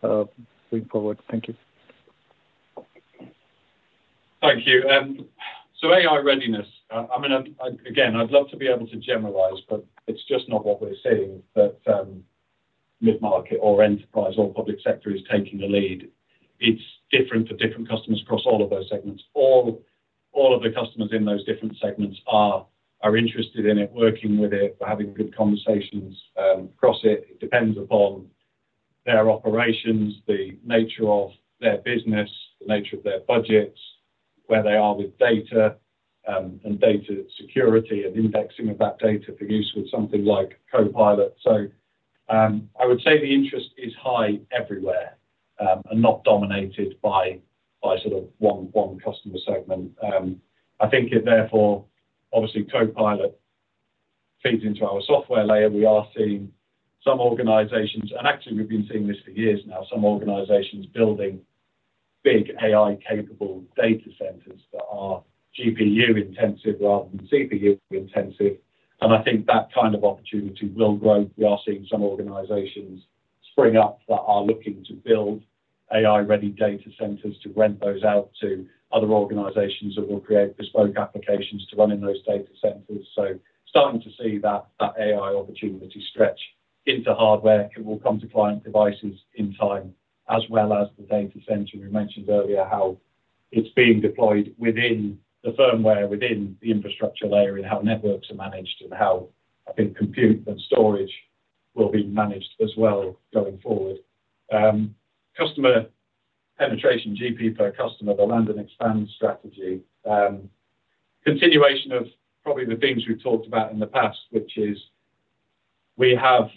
going forward. Thank you. Thank you. So AI readiness, again, I'd love to be able to generalize, but it's just not what we're saying, that mid-market or enterprise or public sector is taking the lead. It's different for different customers across all of those segments. All of the customers in those different segments are interested in it, working with it, having good conversations across it. It depends upon their operations, the nature of their business, the nature of their budgets, where they are with data, and data security and indexing of that data for use with something like Copilot. So I would say the interest is high everywhere and not dominated by sort of one customer segment. I think it, therefore, obviously, Copilot feeds into our software layer. We are seeing some organizations and actually, we've been seeing this for years now, some organizations building big AI-capable data centers that are GPU-intensive rather than CPU-intensive. I think that kind of opportunity will grow. We are seeing some organizations spring up that are looking to build AI-ready data centers to rent those out to other organizations that will create bespoke applications to run in those data centers. Starting to see that AI opportunity stretch into hardware will come to client devices in time as well as the data center. We mentioned earlier how it's being deployed within the firmware, within the infrastructure layer, and how networks are managed and how, I think, compute and storage will be managed as well going forward. Customer penetration, GP per customer, the land and expand strategy, continuation of probably the things we've talked about in the past, which is we have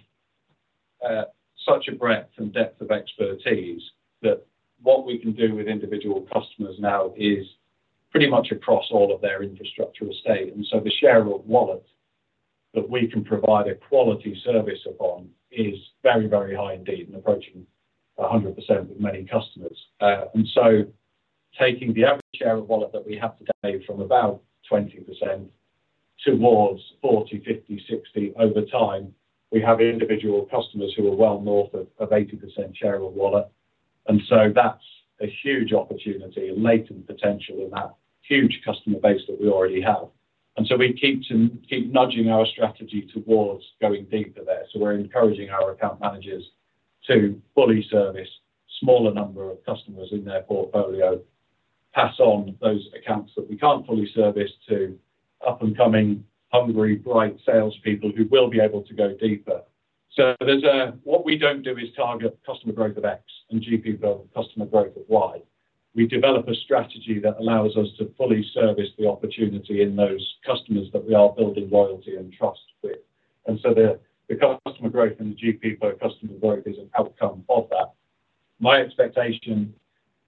such a breadth and depth of expertise that what we can do with individual customers now is pretty much across all of their infrastructure estate. And so the share of wallet that we can provide a quality service upon is very, very high indeed and approaching 100% of many customers. And so taking the average share of wallet that we have today from about 20% towards 40%, 50%, 60% over time, we have individual customers who are well north of 80% share of wallet. And so that's a huge opportunity, a latent potential in that huge customer base that we already have. And so we keep nudging our strategy towards going deeper there. So, we're encouraging our account managers to fully service a smaller number of customers in their portfolio, pass on those accounts that we can't fully service to up-and-coming, hungry, bright salespeople who will be able to go deeper. So what we don't do is target customer growth of X and GP growth of Y. We develop a strategy that allows us to fully service the opportunity in those customers that we are building loyalty and trust with. And so the customer growth and the GP per customer growth is an outcome of that. My expectation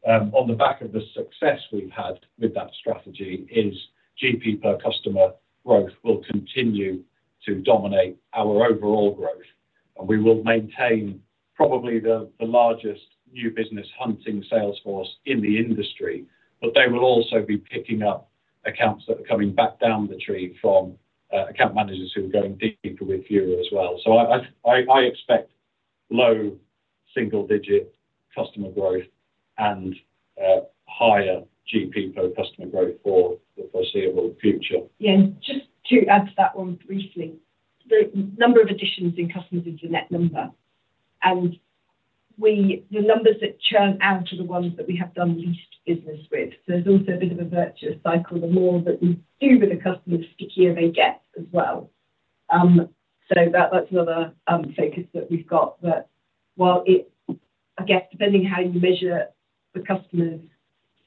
on the back of the success we've had with that strategy is GP per customer growth will continue to dominate our overall growth. And we will maintain probably the largest new business hunting sales force in the industry. They will also be picking up accounts that are coming back down the tree from account managers who are going deeper with you as well. I expect low single-digit customer growth and higher GP per customer growth for the foreseeable future. Yeah. Just to add to that one briefly, the number of additions in customers is the net number. The numbers that churn out are the ones that we have done least business with. So there's also a bit of a virtuous cycle. The more that we do with a customer, the stickier they get as well. So that's another focus that we've got that, I guess, depending how you measure the customers,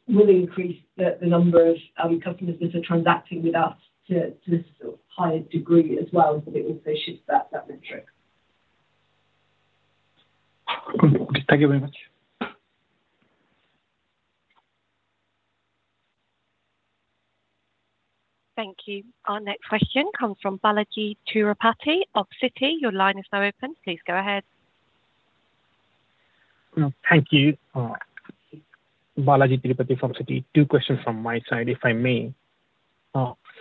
will increase the number of customers that are transacting with us to this sort of higher degree as well, but it also shifts that metric. Thank you very much. Thank you. Our next question comes from Balajee Tirupati of Citi. Your line is now open. Please go ahead. Thank you, Balajee Tirupati from Citi. Two questions from my side, if I may.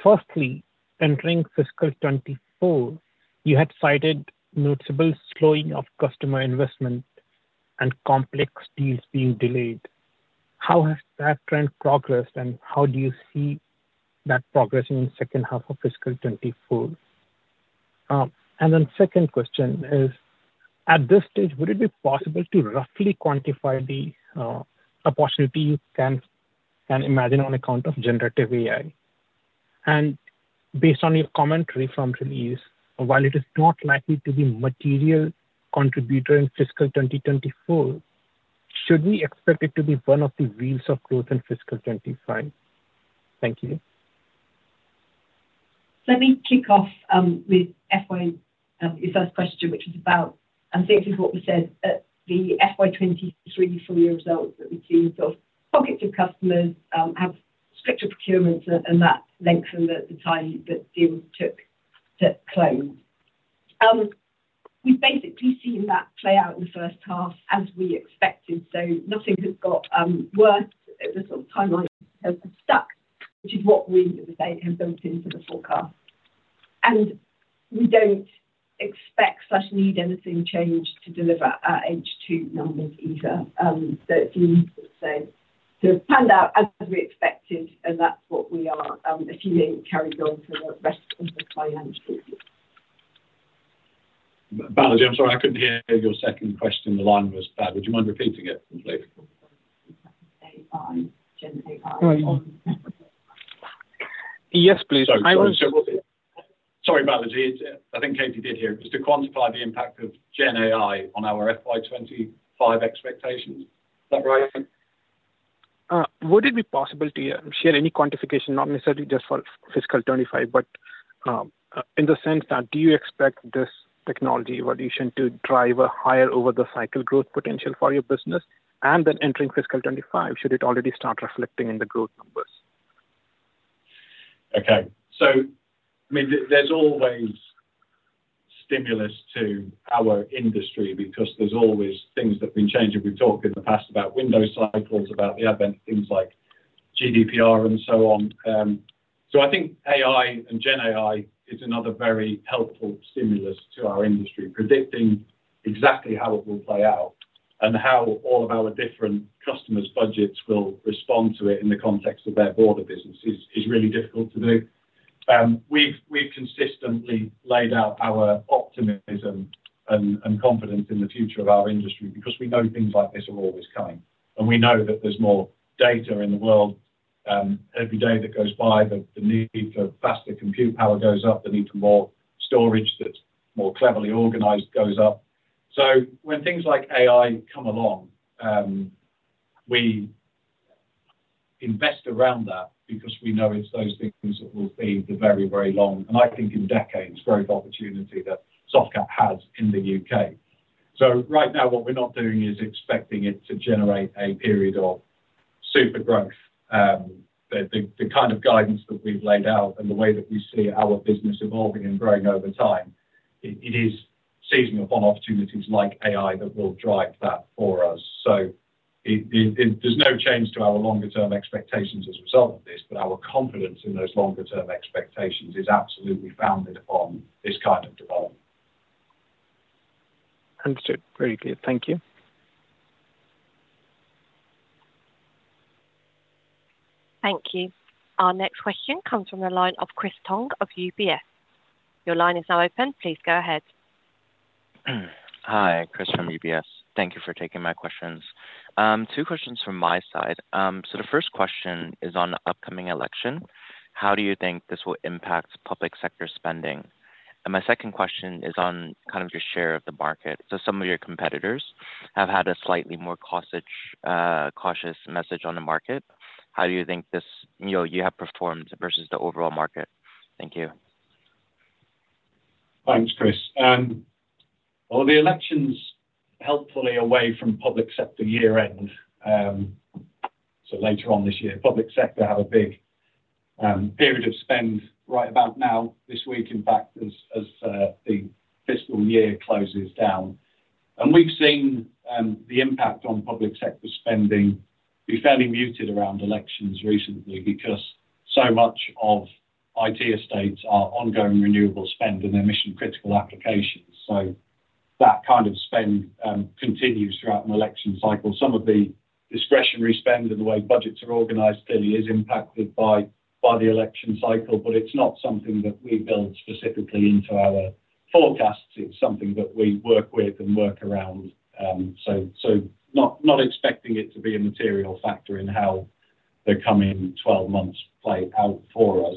Firstly, entering fiscal 2024, you had cited noticeable slowing of customer investment and complex deals being delayed. How has that trend progressed, and how do you see that progressing in the second half of fiscal 2024? And then second question is, at this stage, would it be possible to roughly quantify the opportunity you can imagine on account of generative AI? And based on your commentary from release, while it is not likely to be a material contributor in fiscal 2024, should we expect it to be one of the wheels of growth in fiscal 2025? Thank you. Let me kick off with your first question, which was about—I'm saying—this is what we said at the FY 2023 full year results that we've seen. Sort of pockets of customers have stricter procurements and that lengthened the time that deals took to close. We've basically seen that play out in the first half as we expected. So nothing has got worse. The sort of timelines have stuck, which is what we, as I say, have built into the forecast. And we don't expect/need anything changed to deliver our H2 numbers either. So it's easy to say. So it's panned out as we expected, and that's what we are assuming carries on for the rest of the financial year. Balajee, I'm sorry. I couldn't hear your second question. The line was bad. Would you mind repeating it, please? Yes, please. I was. Sorry, Balajee. I think Katy did hear. It was to quantify the impact of Gen AI on our FY25 expectations. Is that right? Would it be possible to share any quantification, not necessarily just for fiscal 2025, but in the sense that do you expect this technology evolution to drive a higher over-the-cycle growth potential for your business? And then entering fiscal 2025, should it already start reflecting in the growth numbers? Okay. So I mean, there's always stimulus to our industry because there's always things that have been changing. We've talked in the past about Windows cycles, about the advent of things like GDPR and so on. So I think AI and Gen AI is another very helpful stimulus to our industry. Predicting exactly how it will play out and how all of our different customers' budgets will respond to it in the context of their broader business is really difficult to do. We've consistently laid out our optimism and confidence in the future of our industry because we know things like this are always coming. And we know that there's more data in the world every day that goes by. The need for faster compute power goes up. The need for more storage that's more cleverly organized goes up. So when things like AI come along, we invest around that because we know it's those things that will feed the very, very long, and I think in decades, growth opportunity that Softcat has in the U.K. So right now, what we're not doing is expecting it to generate a period of super growth. The kind of guidance that we've laid out and the way that we see our business evolving and growing over time, it is seizing upon opportunities like AI that will drive that for us. So there's no change to our longer-term expectations as a result of this, but our confidence in those longer-term expectations is absolutely founded on this kind of development. Understood. Very clear. Thank you. Thank you. Our next question comes from the line of Chris Chong of UBS. Your line is now open. Please go ahead. Hi, Chris from UBS. Thank you for taking my questions. Two questions from my side. The first question is on the upcoming election. How do you think this will impact public sector spending? My second question is on kind of your share of the market. So some of your competitors have had a slightly more cautious message on the market. How do you think you have performed versus the overall market? Thank you. Thanks, Chris. Well, the election's helpfully away from public sector year-end. So later on this year, public sector have a big period of spend right about now this week, in fact, as the fiscal year closes down. And we've seen the impact on public sector spending be fairly muted around elections recently because so much of IT estates are ongoing renewable spend in mission-critical applications. So that kind of spend continues throughout an election cycle. Some of the discretionary spend and the way budgets are organized clearly is impacted by the election cycle, but it's not something that we build specifically into our forecasts. It's something that we work with and work around. So not expecting it to be a material factor in how the coming 12 months play out for us.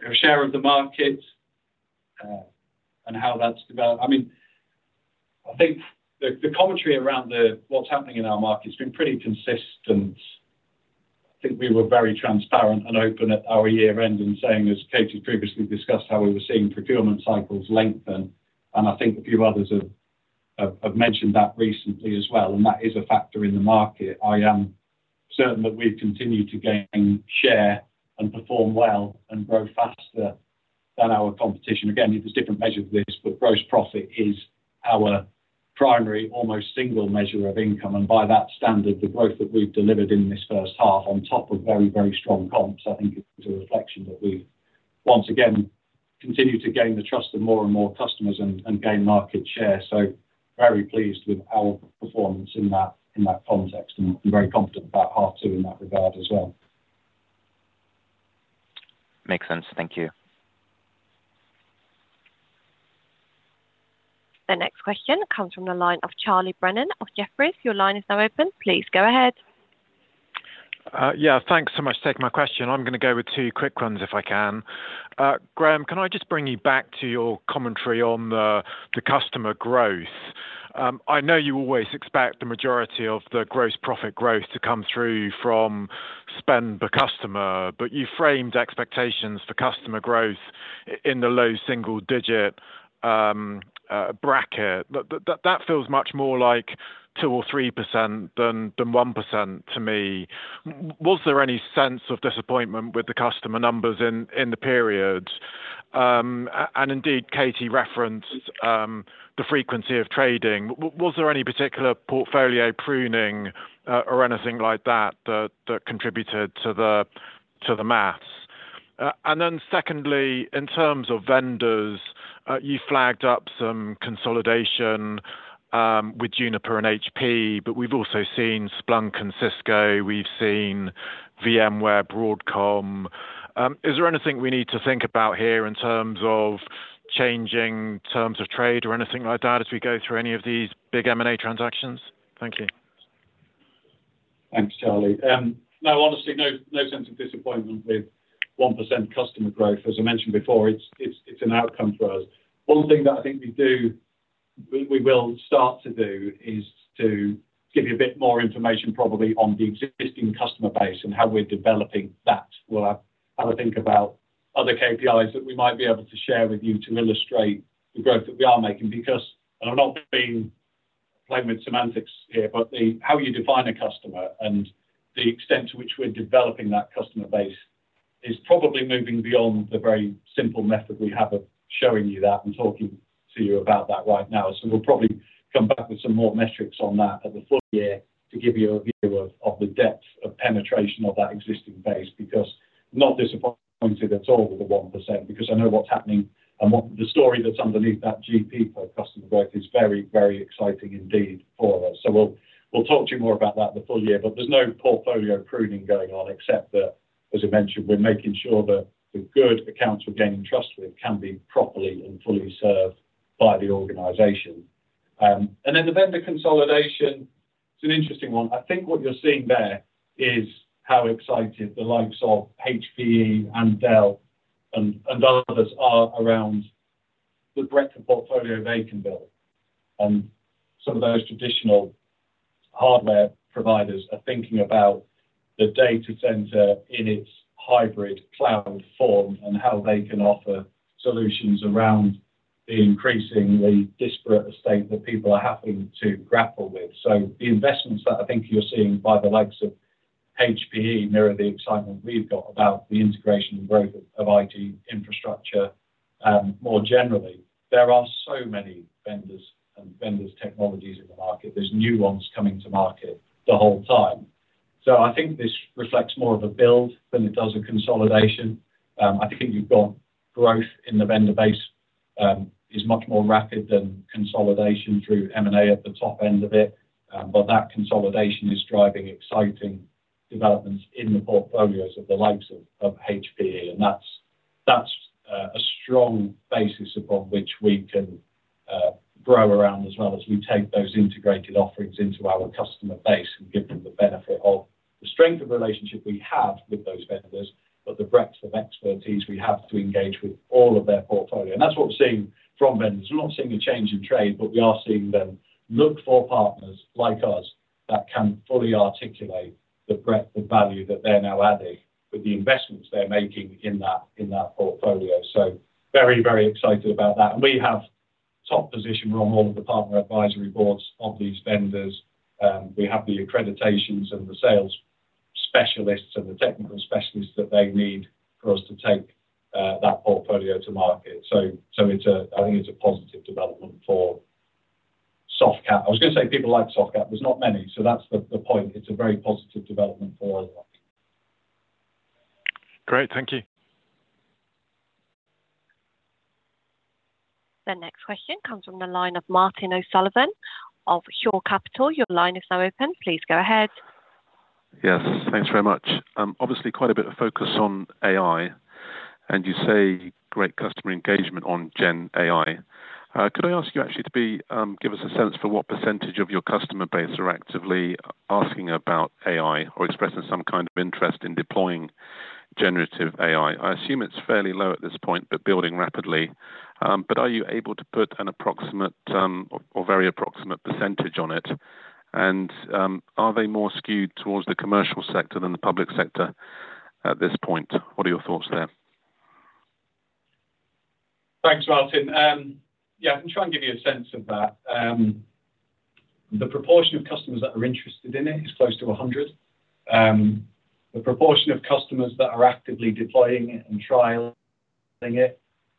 Your share of the market and how that's developed, I mean, I think the commentary around what's happening in our market's been pretty consistent. I think we were very transparent and open at our year-end in saying, as Katy's previously discussed, how we were seeing procurement cycles lengthen. I think a few others have mentioned that recently as well. That is a factor in the market. I am certain that we continue to gain share and perform well and grow faster than our competition. Again, there's different measures of this, but gross profit is our primary, almost single measure of income. By that standard, the growth that we've delivered in this first half on top of very, very strong comps, I think it's a reflection that we've, once again, continued to gain the trust of more and more customers and gain market share. Very pleased with our performance in that context, and very confident about half two in that regard as well. Makes sense. Thank you. The next question comes from the line of Charles Brennan of Jefferies. Your line is now open. Please go ahead. Yeah. Thanks so much for taking my question. I'm going to go with two quick runs, if I can. Graham, can I just bring you back to your commentary on the customer growth? I know you always expect the majority of the gross profit growth to come through from spend per customer, but you framed expectations for customer growth in the low single-digit bracket. That feels much more like 2% or 3% than 1% to me. Was there any sense of disappointment with the customer numbers in the period? And indeed, Katy referenced the frequency of trading. Was there any particular portfolio pruning or anything like that that contributed to the maths? And then secondly, in terms of vendors, you flagged up some consolidation with Juniper and HP, but we've also seen Splunk and Cisco. We've seen VMware, Broadcom. Is there anything we need to think about here in terms of changing terms of trade or anything like that as we go through any of these big M&A transactions? Thank you. Thanks, Charlie. No, honestly, no sense of disappointment with 1% customer growth. As I mentioned before, it's an outcome for us. One thing that I think we will start to do is to give you a bit more information, probably, on the existing customer base and how we're developing that. We'll have a think about other KPIs that we might be able to share with you to illustrate the growth that we are making because, and I'm not playing with semantics here, but how you define a customer and the extent to which we're developing that customer base is probably moving beyond the very simple method we have of showing you that and talking to you about that right now. So we'll probably come back with some more metrics on that at the full year to give you a view of the depth of penetration of that existing base because not disappointed at all with the 1% because I know what's happening and the story that's underneath that GP per customer growth is very, very exciting indeed for us. So we'll talk to you more about that the full year. But there's no portfolio pruning going on except that, as I mentioned, we're making sure that the good accounts we're gaining trust with can be properly and fully served by the organization. And then the vendor consolidation, it's an interesting one. I think what you're seeing there is how excited the likes of HPE and Dell and others are around the breadth of portfolio they can build. Some of those traditional hardware providers are thinking about the data center in its hybrid cloud form and how they can offer solutions around the increasingly disparate estate that people are having to grapple with. So the investments that I think you're seeing by the likes of HPE mirror the excitement we've got about the integration and growth of IT infrastructure more generally. There are so many vendors and vendors' technologies in the market. There's new ones coming to market the whole time. So I think this reflects more of a build than it does a consolidation. I think you've got growth in the vendor base is much more rapid than consolidation through M&A at the top end of it. But that consolidation is driving exciting developments in the portfolios of the likes of HPE. That's a strong basis upon which we can grow around as well as we take those integrated offerings into our customer base and give them the benefit of the strength of relationship we have with those vendors, but the breadth of expertise we have to engage with all of their portfolio. That's what we're seeing from vendors. We're not seeing a change in trade, but we are seeing them look for partners like us that can fully articulate the breadth of value that they're now adding with the investments they're making in that portfolio. Very, very excited about that. We have top position. We're on all of the partner advisory boards of these vendors. We have the accreditations and the sales specialists and the technical specialists that they need for us to take that portfolio to market. I think it's a positive development for Softcat. I was going to say people like Softcat. There's not many. So that's the point. It's a very positive development for us, I think. Great. Thank you. The next question comes from the line of Martin O'Sullivan of Shore Capital. Your line is now open. Please go ahead. Yes. Thanks very much. Obviously, quite a bit of focus on AI. And you say great customer engagement on Gen AI. Could I ask you, actually, to give us a sense for what percentage of your customer base are actively asking about AI or expressing some kind of interest in deploying generative AI? I assume it's fairly low at this point, but building rapidly. But are you able to put an approximate or very approximate percentage on it? And are they more skewed towards the commercial sector than the public sector at this point? What are your thoughts there? Thanks, Martin. Yeah, I can try and give you a sense of that. The proportion of customers that are interested in it is close to 100%. The proportion of customers that are actively deploying it and trialing it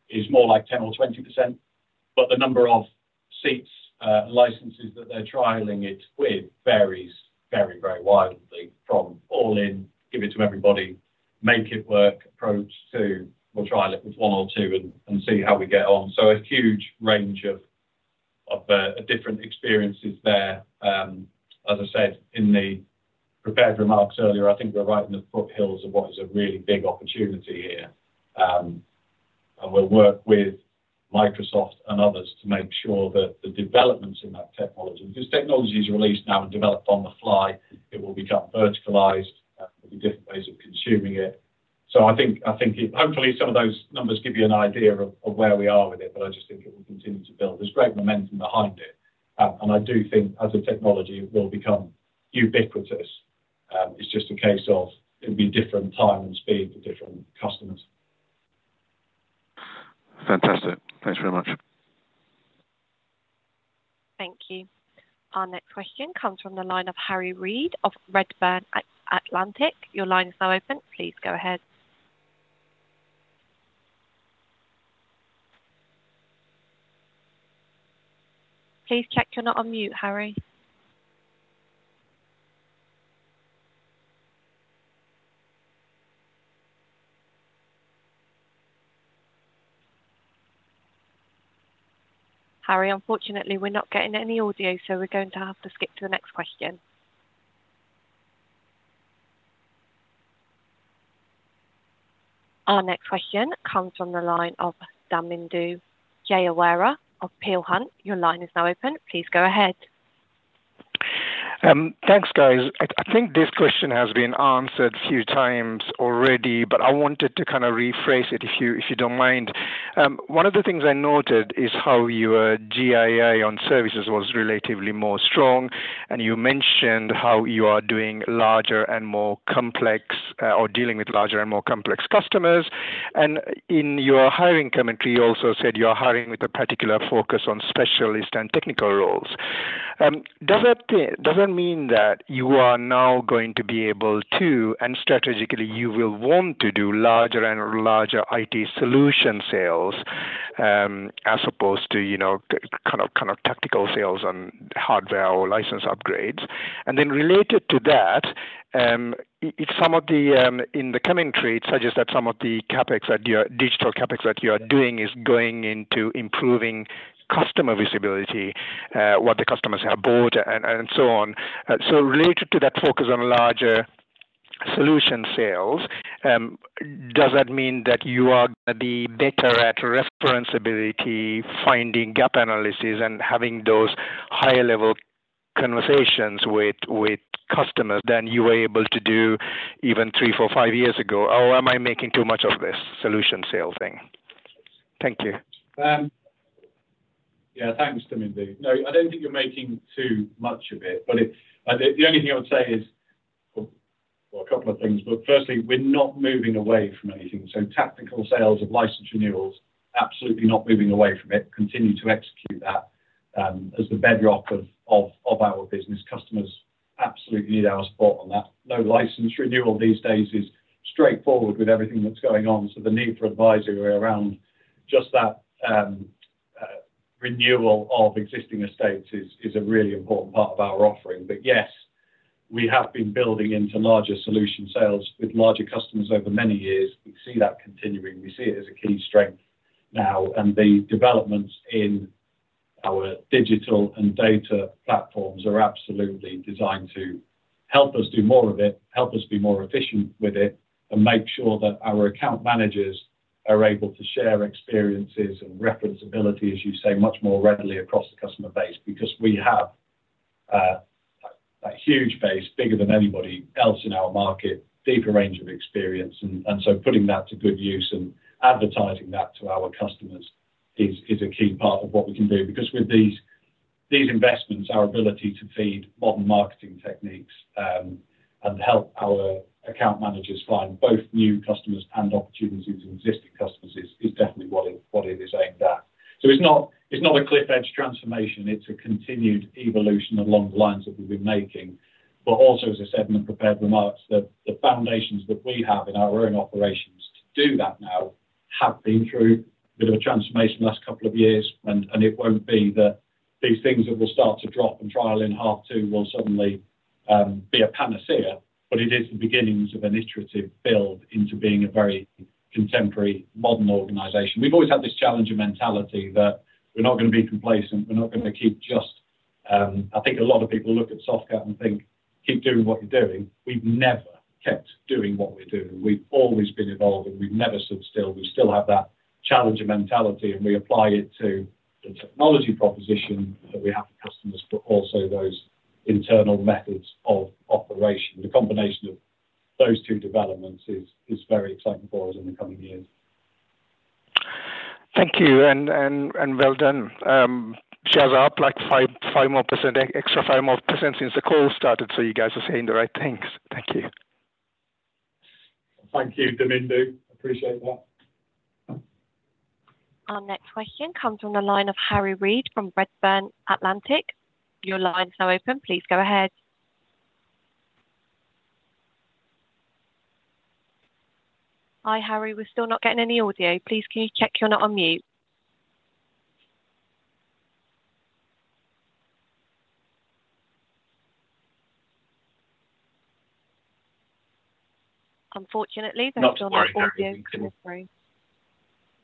is more like 10% or 20%. But the number of seats and licenses that they're trialing it with varies very, very wildly from all-in, give it to everybody, make it work approach to, "We'll trial it with one or two and see how we get on." So a huge range of different experiences there. As I said in the prepared remarks earlier, I think we're right in the foothills of what is a really big opportunity here. And we'll work with Microsoft and others to make sure that the developments in that technology, because technology's released now and developed on the fly. It will become verticalised. There'll be different ways of consuming it. So I think hopefully, some of those numbers give you an idea of where we are with it, but I just think it will continue to build. There's great momentum behind it. I do think, as a technology, it will become ubiquitous. It's just a case of it'll be different time and speed for different customers. Fantastic. Thanks very much. Thank you. Our next question comes from the line of Harry Reid of Redburn Atlantic. Your line is now open. Please go ahead. Please check you're not on mute, Harry. Harry, unfortunately, we're not getting any audio, so we're going to have to skip to the next question. Our next question comes from the line of Damindu Jayaweera of Peel Hunt. Your line is now open. Please go ahead. Thanks, guys. I think this question has been answered a few times already, but I wanted to kind of rephrase it if you don't mind. One of the things I noted is how your GII on services was relatively more strong. And you mentioned how you are doing larger and more complex or dealing with larger and more complex customers. And in your hiring commentary, you also said you are hiring with a particular focus on specialist and technical roles. Does that mean that you are now going to be able to and strategically, you will want to do larger and larger IT solution sales as opposed to kind of tactical sales on hardware or license upgrades? Then related to that, in the commentary, it suggests that some of the digital CapEx that you are doing is going into improving customer visibility, what the customers have bought, and so on. So related to that focus on larger solution sales, does that mean that you are going to be better at referenceability, finding gap analysis, and having those higher-level conversations with customers than you were able to do even three, four, five years ago? Or am I making too much of this solution sale thing? Thank you. Yeah. Thanks, Damindu. No, I don't think you're making too much of it. But the only thing I would say is well, a couple of things. But firstly, we're not moving away from anything. So tactical sales of license renewals, absolutely not moving away from it. Continue to execute that as the bedrock of our business. Customers absolutely need our support on that. No license renewal these days is straightforward with everything that's going on. So the need for advisory around just that renewal of existing estates is a really important part of our offering. But yes, we have been building into larger solution sales with larger customers over many years. We see that continuing. We see it as a key strength now. And the developments in our digital and data platforms are absolutely designed to help us do more of it, help us be more efficient with it, and make sure that our account managers are able to share experiences and referenceability, as you say, much more readily across the customer base because we have that huge base, bigger than anybody else in our market, deeper range of experience. And so putting that to good use and advertising that to our customers is a key part of what we can do because with these investments, our ability to feed modern marketing techniques and help our account managers find both new customers and opportunities in existing customers is definitely what it is aimed at. So it's not a cliff-edge transformation. It's a continued evolution along the lines that we've been making. But also, as I said in the prepared remarks, the foundations that we have in our own operations to do that now have been through a bit of a transformation last couple of years. And it won't be that these things that will start to drop and trial in half two will suddenly be a panacea. But it is the beginnings of an iterative build into being a very contemporary, modern organization. We've always had this challenger mentality that we're not going to be complacent. We're not going to keep just I think a lot of people look at Softcat and think, "Keep doing what you're doing." We've never kept doing what we're doing. We've always been evolving. We've never stood still. We still have that challenger mentality. And we apply it to the technology proposition that we have for customers, but also those internal methods of operation. The combination of those two developments is very exciting for us in the coming years. Thank you. Well done. Shares are up like extra 5% more since the call started. So you guys are saying the right things. Thank you. Thank you, Damindu. Appreciate that. Our next question comes from the line of Harry Reid from Redburn Atlantic. Your line is now open. Please go ahead. Hi, Harry. We're still not getting any audio. Please, can you check you're not on mute? Unfortunately, there's still no audio coming through.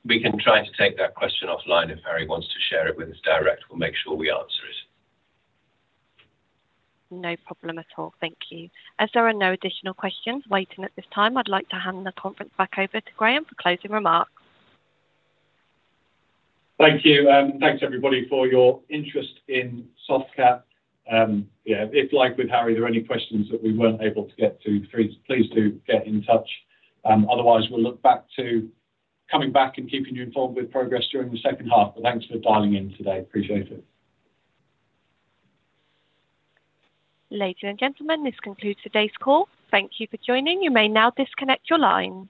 We can try to take that question offline. If Harry wants to share it with us direct, we'll make sure we answer it. No problem at all. Thank you. As there are no additional questions waiting at this time, I'd like to hand the conference back over to Graham for closing remarks. Thank you. Thanks, everybody, for your interest in Softcat. Yeah, if, like with Harry, there are any questions that we weren't able to get to, please do get in touch. Otherwise, we'll look back to coming back and keeping you informed with progress during the second half. But thanks for dialing in today. Appreciate it. Ladies and gentlemen, this concludes today's call. Thank you for joining. You may now disconnect your line.